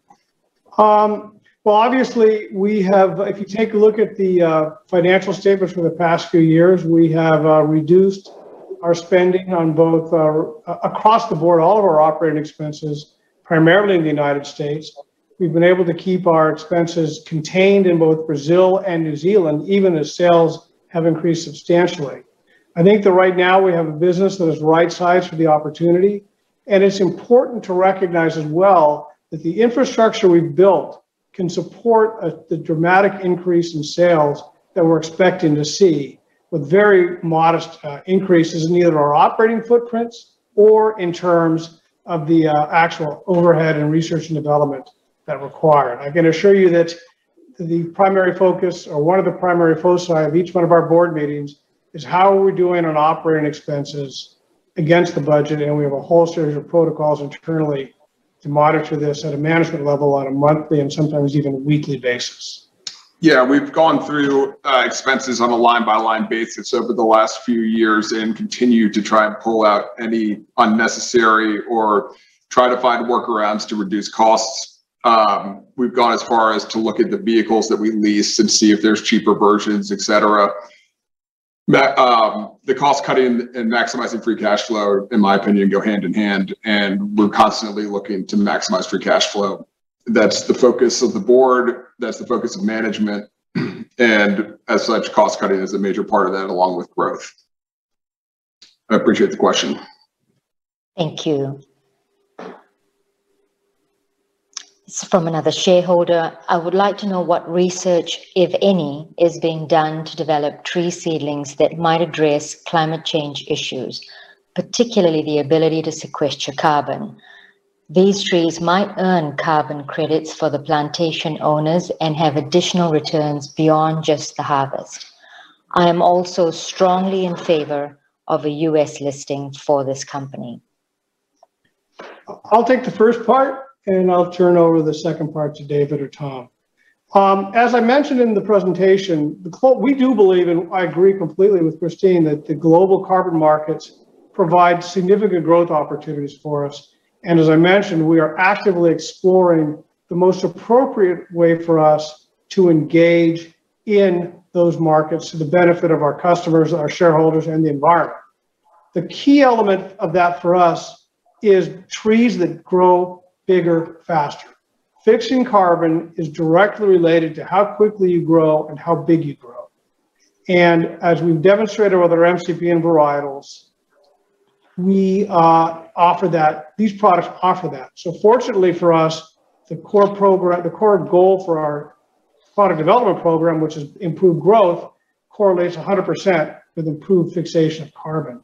Well, obviously, if you take a look at the financial statements for the past few years, we have reduced our spending across the board, all of our operating expenses, primarily in the U.S. We've been able to keep our expenses contained in both Brazil and New Zealand, even as sales have increased substantially. I think that right now we have a business that is right-sized for the opportunity, and it's important to recognize as well that the infrastructure we've built can support the dramatic increase in sales that we're expecting to see with very modest increases in either our operating footprints or in terms of the actual overhead and research and development that require. I can assure you that the primary focus, or one of the primary foci of each one of our board meetings, is how are we doing on operating expenses against the budget. We have a whole series of protocols internally to monitor this at a management level on a monthly and sometimes even a weekly basis. Yeah. We've gone through expenses on a line-by-line basis over the last few years and continue to try and pull out any unnecessary or try to find workarounds to reduce costs. We've gone as far as to look at the vehicles that we lease and see if there's cheaper versions, et cetera. The cost-cutting and maximizing free cash flow, in my opinion, go hand-in-hand, and we're constantly looking to maximize free cash flow. That's the focus of the board, that's the focus of management, and as such, cost-cutting is a major part of that, along with growth. I appreciate the question. Thank you. This is from another shareholder. "I would like to know what research, if any, is being done to develop tree seedlings that might address climate change issues, particularly the ability to sequester carbon. These trees might earn carbon credits for the plantation owners and have additional returns beyond just the harvest. I am also strongly in favor of a U.S. listing for this company. I'll take the first part, then I'll turn over the second part to David or Tom. As I mentioned in the presentation, we do believe, and I agree completely with Christina, that the global carbon markets provide significant growth opportunities for us. As I mentioned, we are actively exploring the most appropriate way for us to engage in those markets to the benefit of our customers, our shareholders, and the environment. The key element of that for us is trees that grow bigger, faster. Fixing carbon is directly related to how quickly you grow and how big you grow. As we've demonstrated with our MCP and varietals, these products offer that. Fortunately for us, the core goal for our product development program, which is improved growth, correlates 100% with improved fixation of carbon.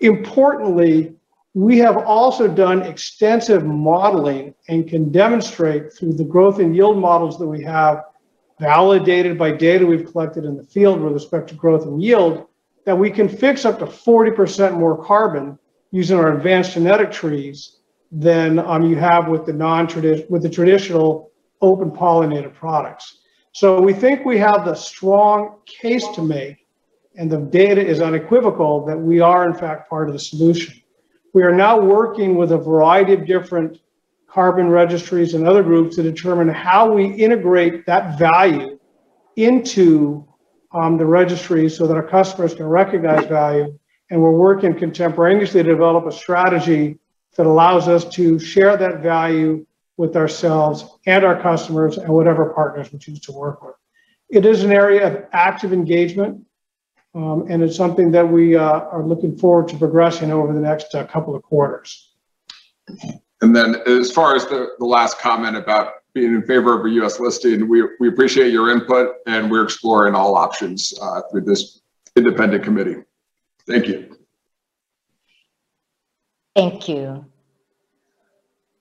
Importantly, we have also done extensive modeling and can demonstrate through the growth and yield models that we have, validated by data we've collected in the field with respect to growth and yield, that we can fix up to 40% more carbon using our advanced genetic trees than you have with the traditional open-pollinated products. We think we have a strong case to make, and the data is unequivocal that we are, in fact, part of the solution. We are now working with a variety of different carbon registries and other groups to determine how we integrate that value into the registry so that our customers can recognize value, and we're working contemporaneously to develop a strategy that allows us to share that value with ourselves and our customers and whatever partners we choose to work with. It is an area of active engagement, and it's something that we are looking forward to progressing over the next couple of quarters. Then as far as the last comment about being in favor of a U.S. listing, we appreciate your input, and we're exploring all options through this independent committee. Thank you. Thank you.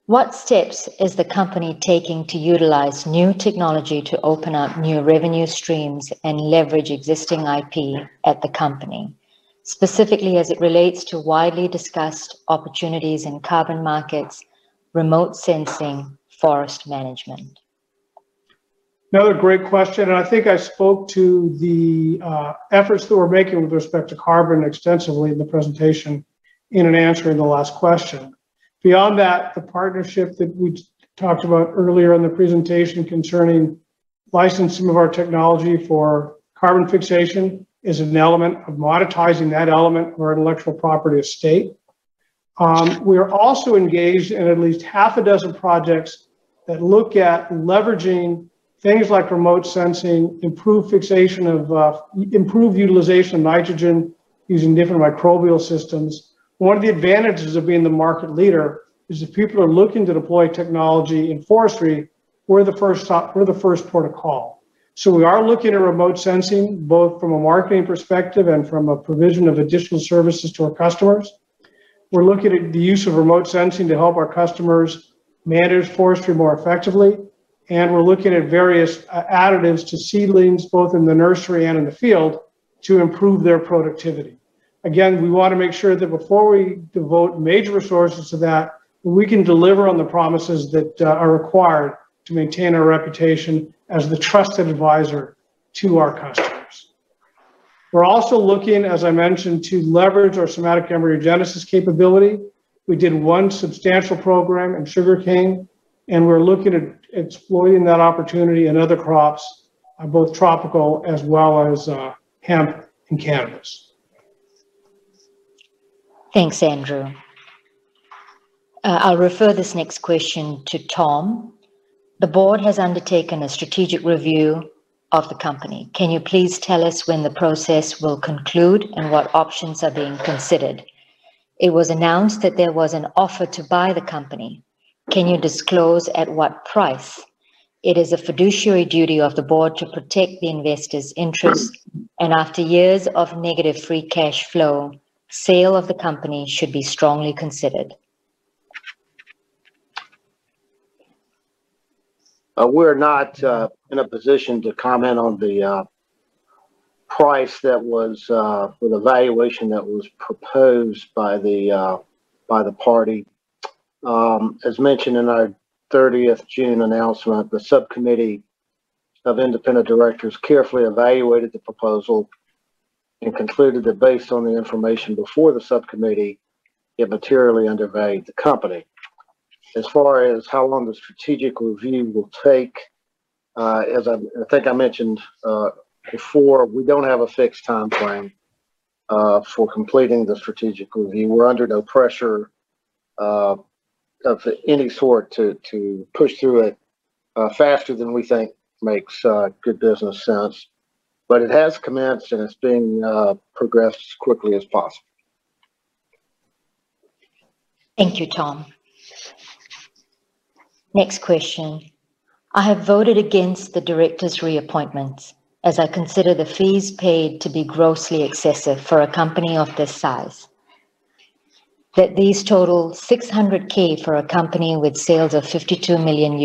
What steps is the company taking to utilize new technology to open up new revenue streams and leverage existing IP at the company, specifically as it relates to widely discussed opportunities in carbon markets, remote sensing, forest management? Another great question. I think I spoke to the efforts that we're making with respect to carbon extensively in the presentation in an answer in the last question. Beyond that, the partnership that we talked about earlier in the presentation concerning licensing of our technology for carbon fixation is an element of monetizing that element of our intellectual property estate. We are also engaged in at least half a dozen projects that look at leveraging things like remote sensing, improve utilization of nitrogen using different microbial systems. One of the advantages of being the market leader is if people are looking to deploy technology in forestry, we're the first port of call. We are looking at remote sensing, both from a marketing perspective and from a provision of additional services to our customers. We're looking at the use of remote sensing to help our customers manage forestry more effectively, and we're looking at various additives to seedlings, both in the nursery and in the field, to improve their productivity. Again, we want to make sure that before we devote major resources to that, we can deliver on the promises that are required to maintain our reputation as the trusted advisor to our customers. We're also looking, as I mentioned, to leverage our somatic embryogenesis capability. We did one substantial program in sugarcane, and we're looking at exploiting that opportunity in other crops, both tropical as well as hemp and cannabis. Thanks, Andrew. I'll refer this next question to Tom. The board has undertaken a strategic review of the company. Can you please tell us when the process will conclude and what options are being considered? It was announced that there was an offer to buy the company. Can you disclose at what price? It is a fiduciary duty of the board to protect the investors' interests, and after years of negative free cash flow, sale of the company should be strongly considered. We're not in a position to comment on the price that was for the valuation that was proposed by the party. As mentioned in our 30th June announcement, the subcommittee of independent directors carefully evaluated the proposal and concluded that based on the information before the subcommittee, it materially undervalued the company. As far as how long the strategic review will take, as I think I mentioned before, we don't have a fixed timeframe for completing the strategic review. We're under no pressure of any sort to push through it faster than we think makes good business sense. It has commenced, and it's being progressed as quickly as possible. Thank you, Tom. Next question. I have voted against the directors' reappointments, as I consider the fees paid to be grossly excessive for a company of this size. That these total 600,000 for a company with sales of $52 million,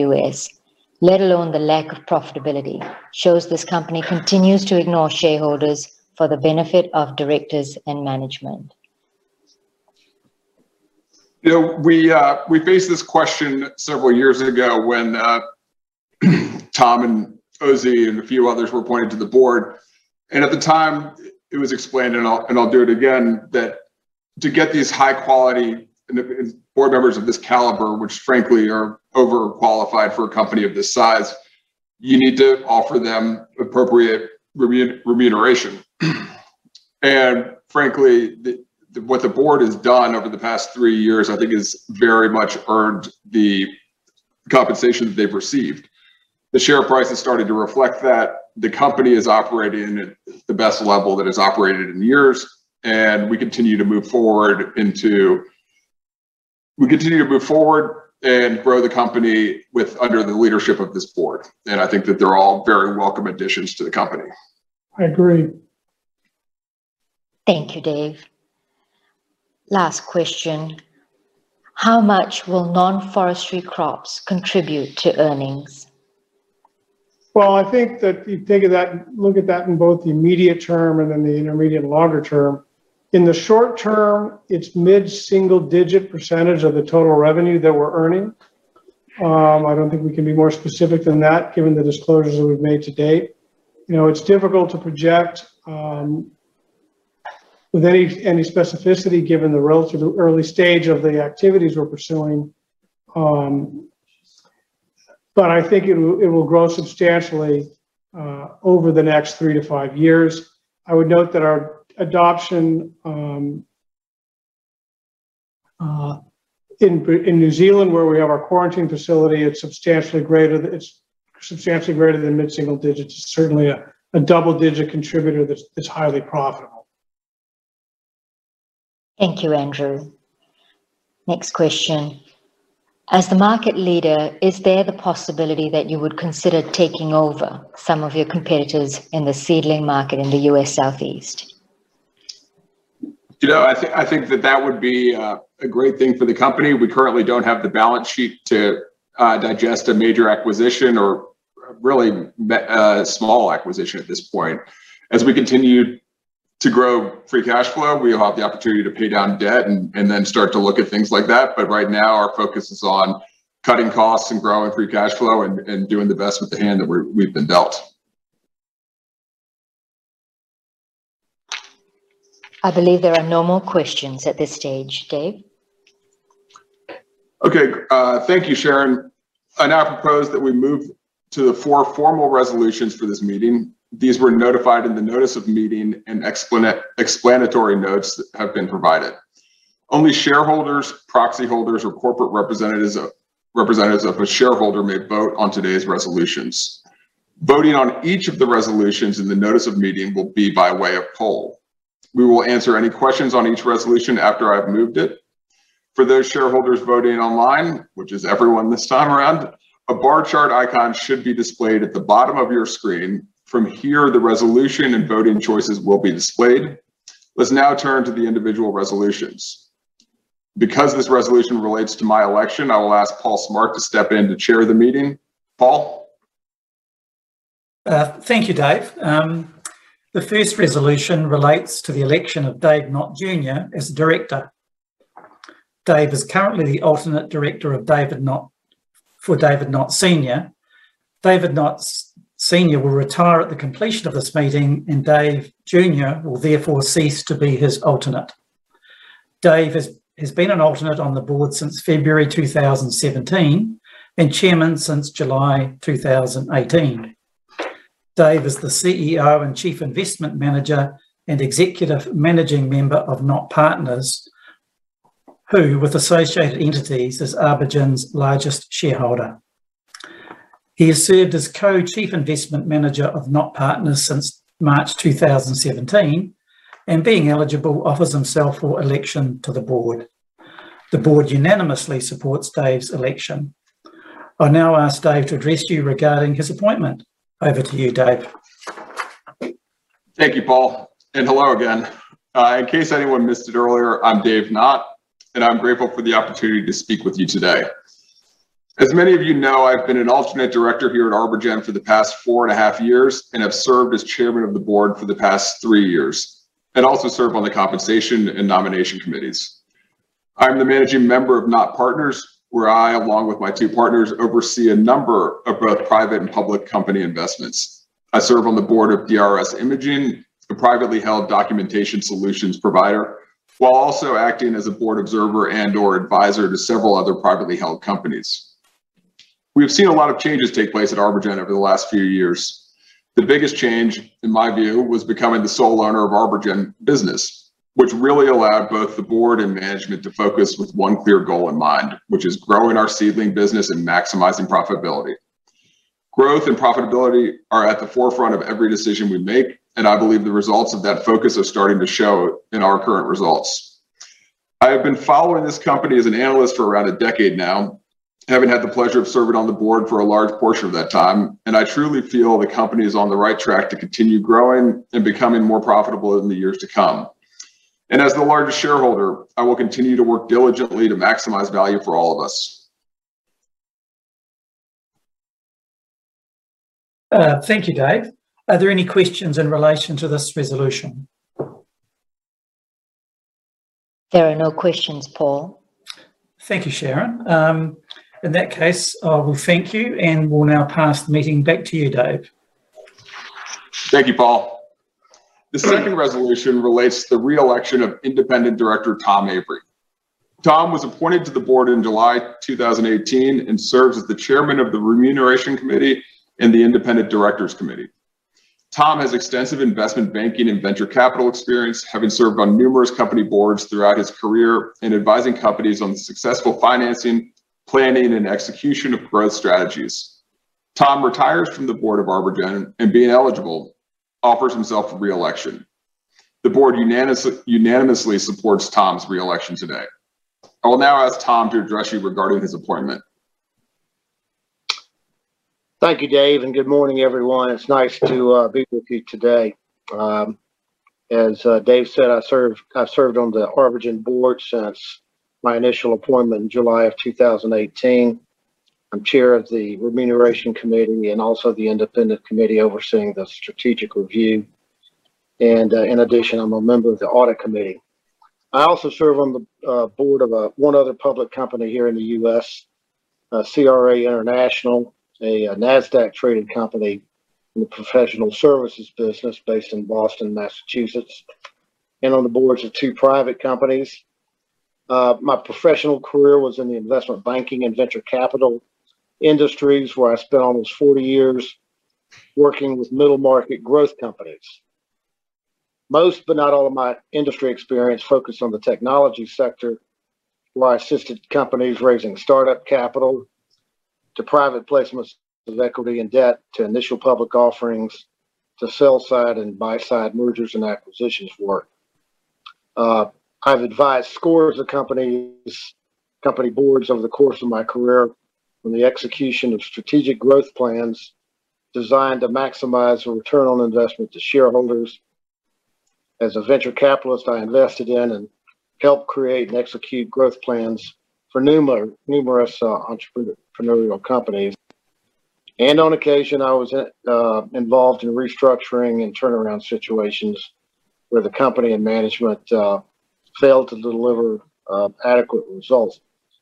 let alone the lack of profitability, shows this company continues to ignore shareholders for the benefit of directors and management. We faced this question several years ago when Tom and Ozey and a few others were appointed to the board, and at the time it was explained, and I'll do it again, that to get these high-quality board members of this caliber, which frankly are overqualified for a company of this size, you need to offer them appropriate remuneration. Frankly, what the board has done over the past three years, I think, has very much earned the compensation that they've received. The share price has started to reflect that. The company is operating at the best level that it's operated in years, and we continue to move forward and grow the company under the leadership of this board. I think that they're all very welcome additions to the company. I agree. Thank you, Dave. Last question. How much will non-forestry crops contribute to earnings? Well, I think that you look at that in both the immediate term and then the intermediate and longer term. In the short term, it's mid-single-digit % of the total revenue that we're earning. I don't think we can be more specific than that, given the disclosures that we've made to date. It's difficult to project with any specificity given the relatively early stage of the activities we're pursuing, but I think it will grow substantially over the next three to five years. I would note that our adoption in New Zealand, where we have our quarantine facility, it's substantially greater than mid-single-digits. It's certainly a double-digit contributor that's highly profitable. Thank you, Andrew. Next question. As the market leader, is there the possibility that you would consider taking over some of your competitors in the seedling market in the U.S. Southeast? I think that that would be a great thing for the company. We currently don't have the balance sheet to digest a major acquisition or really a small acquisition at this point. As we continue to grow free cash flow, we'll have the opportunity to pay down debt and then start to look at things like that. Right now, our focus is on cutting costs and growing free cash flow and doing the best with the hand that we've been dealt. I believe there are no more questions at this stage. David? Okay. Thank you, Sharon. I now propose that we move to the four formal resolutions for this meeting. These were notified in the notice of meeting, and explanatory notes have been provided. Only shareholders, proxy holders, or corporate representatives of a shareholder may vote on today's resolutions. Voting on each of the resolutions in the notice of meeting will be by way of poll. We will answer any questions on each resolution after I've moved it. For those shareholders voting online, which is everyone this time around, a bar chart icon should be displayed at the bottom of your screen. From here, the resolution and voting choices will be displayed. Let's now turn to the individual resolutions. Because this resolution relates to my election, I will ask Paul Smart to step in to chair the meeting. Paul? Thank you, Dave. The first resolution relates to the election of David Knott Jr. as Director. Dave is currently the Alternate Director for David Knott Sr.. David Knott Sr. will retire at the completion of this meeting, and David Knott Jr. will therefore cease to be his alternate. Dave has been an alternate on the board since February 2017 and Chairman since July 2018. Dave is the CEO and Chief Investment Manager and Executive Managing Member of Nottingham Partners, who, with associated entities, is ArborGen's largest shareholder. He has served as Co-Chief Investment Manager of Nottingham Partners since March 2017, and being eligible, offers himself for election to the board. The board unanimously supports Dave's election. I now ask Dave to address you regarding his appointment. Over to you, Dave. Thank you, Paul, and hello again. In case anyone missed it earlier, I'm David Knott, and I'm grateful for the opportunity to speak with you today. As many of you know, I've been an alternate director here at ArborGen for the past 4.5 years and have served as chairman of the board for the past three years, and also serve on the compensation and nomination committees. I'm the managing member of Nott Partners, where I, along with my two partners, oversee a number of both private and public company investments. I serve on the board of DRS Imaging, a privately held documentation solutions provider, while also acting as a board observer and/or advisor to several other privately held companies. We have seen a lot of changes take place at ArborGen over the last few years. The biggest change, in my view, was becoming the sole owner of ArborGen business, which really allowed both the board and management to focus with one clear goal in mind, which is growing our seedling business and maximizing profitability. Growth and profitability are at the forefront of every decision we make, and I believe the results of that focus are starting to show in our current results. I have been following this company as an analyst for around a decade now, having had the pleasure of serving on the board for a large portion of that time, and I truly feel the company is on the right track to continue growing and becoming more profitable in the years to come. As the largest shareholder, I will continue to work diligently to maximize value for all of us. Thank you, David. Are there any questions in relation to this resolution? There are no questions, Paul. Thank you, Sharon. In that case, I will thank you and will now pass the meeting back to you, Dave. Thank you, Paul. The second resolution relates to the re-election of independent director Tom Avery. Tom was appointed to the board in July 2018 and serves as the Chairman of the Remuneration Committee and the Independent Directors Committee. Tom has extensive investment banking and venture capital experience, having served on numerous company boards throughout his career in advising companies on the successful financing, planning, and execution of growth strategies. Tom retires from the board of ArborGen, and being eligible, offers himself for re-election. The board unanimously supports Tom's re-election today. I will now ask Tom to address you regarding his appointment. Thank you, Dave. Good morning, everyone. It's nice to be with you today. As Dave said, I've served on the ArborGen board since my initial appointment in July of 2018. I'm Chair of the Remuneration Committee and also the independent committee overseeing the strategic review. In addition, I'm a member of the Audit Committee. I also serve on the board of 1 other public company here in the U.S., CRA International, a NASDAQ-traded company in the professional services business based in Boston, Massachusetts, and on the boards of two private companies. My professional career was in the investment banking and venture capital industries, where I spent almost 40 years working with middle-market growth companies. Most, but not all of my industry experience focused on the technology sector, where I assisted companies raising startup capital to private placements of equity and debt, to initial public offerings, to sell-side and buy-side mergers and acquisitions work. I've advised scores of company boards over the course of my career on the execution of strategic growth plans designed to maximize return on investment to shareholders. Help create and execute growth plans for numerous entrepreneurial companies. On occasion, I was involved in restructuring and turnaround situations where the company and management failed to deliver adequate results.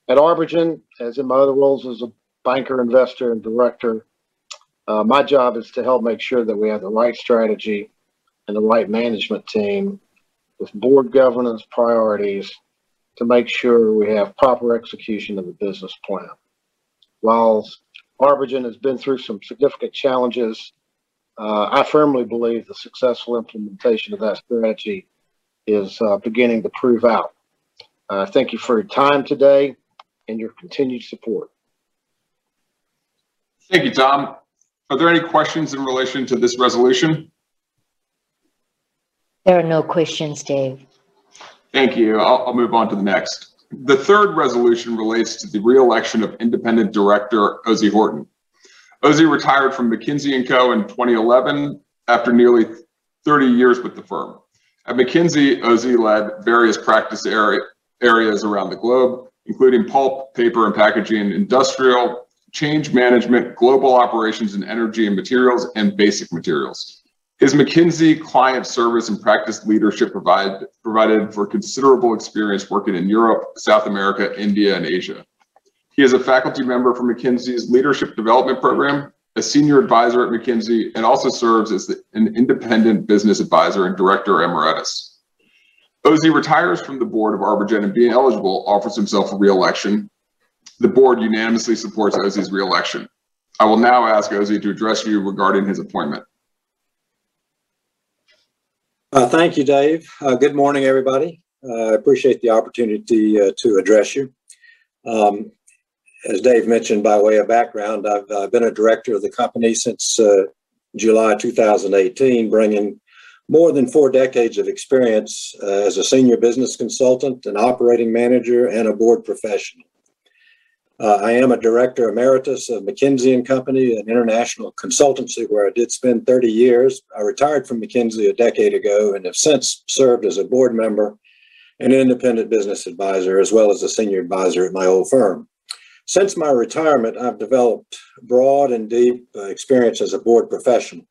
At ArborGen, as in my other roles as a banker, investor, and director My job is to help make sure that we have the right strategy and the right management team with board governance priorities to make sure we have proper execution of the business plan. While ArborGen has been through some significant challenges, I firmly believe the successful implementation of that strategy is beginning to prove out. Thank you for your time today and your continued support. Thank you, Tom. Are there any questions in relation to this resolution? There are no questions, Dave. Thank you. I'll move on to the next. The third resolution relates to the re-election of independent director, Ozey Horton. Ozey retired from McKinsey & Company in 2011 after nearly 30 years with the firm. At McKinsey, Ozey led various practice areas around the globe, including pulp, paper, and packaging, industrial change management, global operations in energy and materials, and basic materials. His McKinsey client service and practice leadership provided for considerable experience working in Europe, South America, India, and Asia. He is a faculty member for McKinsey's Leadership Development program, a senior advisor at McKinsey, and also serves as an Independent Business Advisor and Director Emeritus. Ozey retires from the board of ArborGen and, being eligible, offers himself for re-election. The board unanimously supports Ozey's re-election. I will now ask Ozey to address you regarding his appointment. Thank you, Dave. Good morning, everybody. I appreciate the opportunity to address you. As Dave mentioned, by way of background, I've been a director of the company since July 2018, bringing more than four decades of experience as a senior business consultant, an operating manager, and a board professional. I am a director emeritus of McKinsey & Company, an international consultancy where I did spend 30 years. I retired from McKinsey a decade ago and have since served as a board member and Independent Business Advisor, as well as a Senior Advisor at my old firm. Since my retirement, I've developed broad and deep experience as a board professional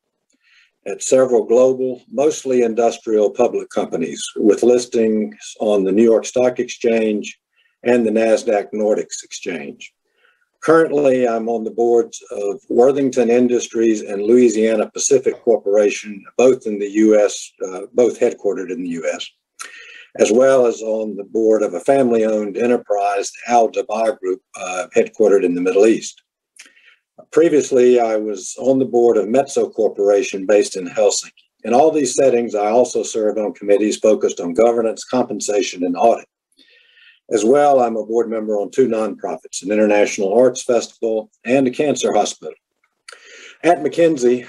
at several global, mostly industrial public companies, with listings on the New York Stock Exchange and the Nasdaq Nordic Exchange. Currently, I'm on the boards of Worthington Industries and Louisiana-Pacific Corporation, both headquartered in the U.S., as well as on the board of a family-owned enterprise, Al-Dabbagh Group, headquartered in the Middle East. Previously, I was on the board of Metso Corporation based in Helsinki. In all these settings, I also served on committees focused on governance, compensation, and audit. I'm a board member on two nonprofits, an international arts festival and a cancer hospital. At McKinsey,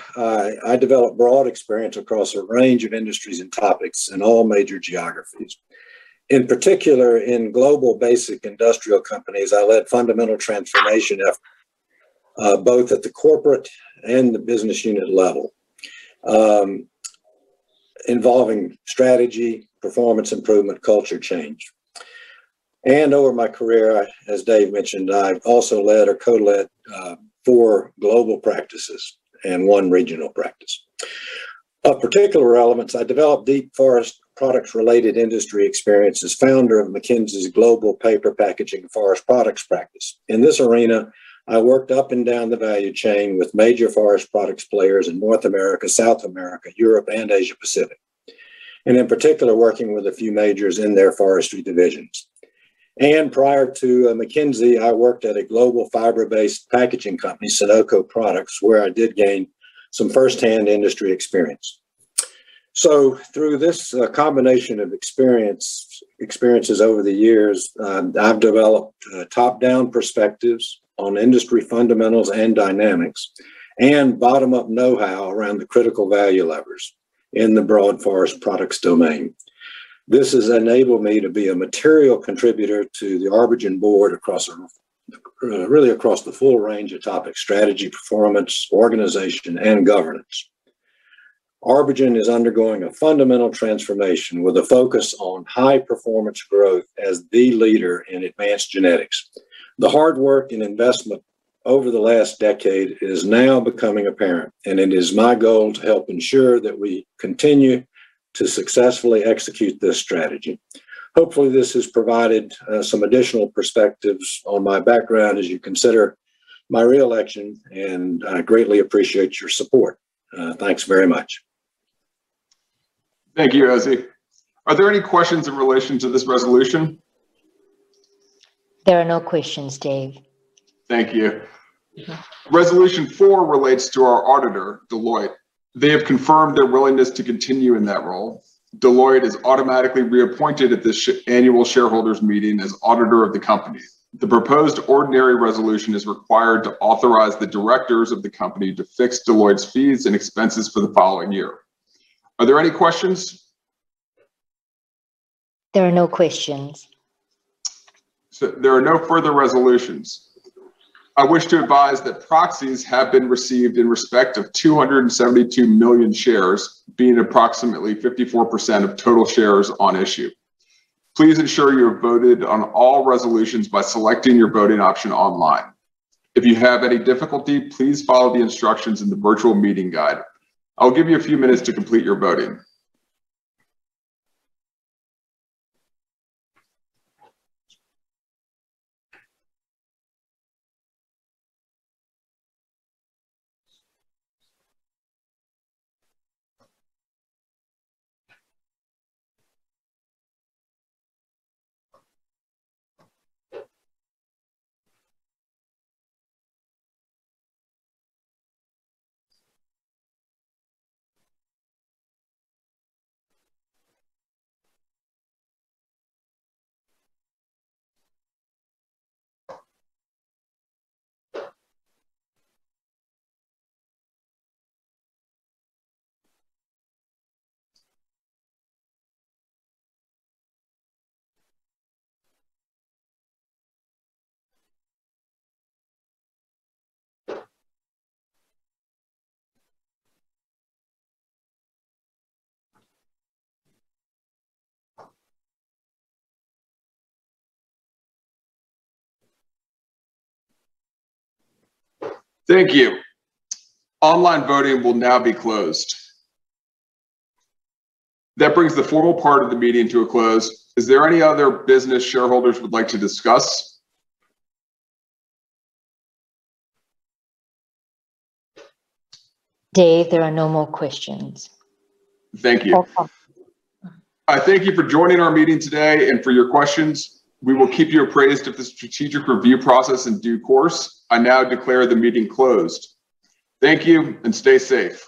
I developed broad experience across a range of industries and topics in all major geographies. In particular, in global basic industrial companies, I led fundamental transformation efforts both at the corporate and the business unit level, involving strategy, performance improvement, culture change. Over my career, as Dave mentioned, I've also led or co-led four global practices and one regional practice. Of particular relevance, I developed deep forest products-related industry experience as founder of McKinsey's Global Paper, Packaging, Forest Products practice. In this arena, I worked up and down the value chain with major forest products players in North America, South America, Europe, and Asia Pacific. In particular, working with a few majors in their forestry divisions. Prior to McKinsey, I worked at a global fiber-based packaging company, Sonoco Products, where I did gain some firsthand industry experience. Through this combination of experiences over the years, I've developed top-down perspectives on industry fundamentals and dynamics and bottom-up know-how around the critical value levers in the broad forest products domain. This has enabled me to be a material contributor to the ArborGen board really across the full range of topics, strategy, performance, organization, and governance. ArborGen is undergoing a fundamental transformation with a focus on high-performance growth as the leader in advanced genetics. The hard work and investment over the last decade is now becoming apparent, and it is my goal to help ensure that we continue to successfully execute this strategy. Hopefully, this has provided some additional perspectives on my background as you consider my re-election, and I greatly appreciate your support. Thanks very much. Thank you, Ozey. Are there any questions in relation to this resolution? There are no questions, Dave. Thank you. Resolution four relates to our auditor, Deloitte. They have confirmed their willingness to continue in that role. Deloitte is automatically reappointed at this annual shareholders' meeting as auditor of the company. The proposed ordinary resolution is required to authorize the directors of the company to fix Deloitte's fees and expenses for the following year. Are there any questions? There are no questions. There are no further resolutions. I wish to advise that proxies have been received in respect of 272 million shares, being approximately 54% of total shares on issue. Please ensure you have voted on all resolutions by selecting your voting option online. If you have any difficulty, please follow the instructions in the virtual meeting guide. I will give you a few minutes to complete your voting. Thank you. Online voting will now be closed. That brings the formal part of the meeting to a close. Is there any other business shareholders would like to discuss? Dave, there are no more questions. Thank you. No problem. I thank you for joining our meeting today and for your questions. We will keep you appraised of the strategic review process in due course. I now declare the meeting closed. Thank you, and stay safe.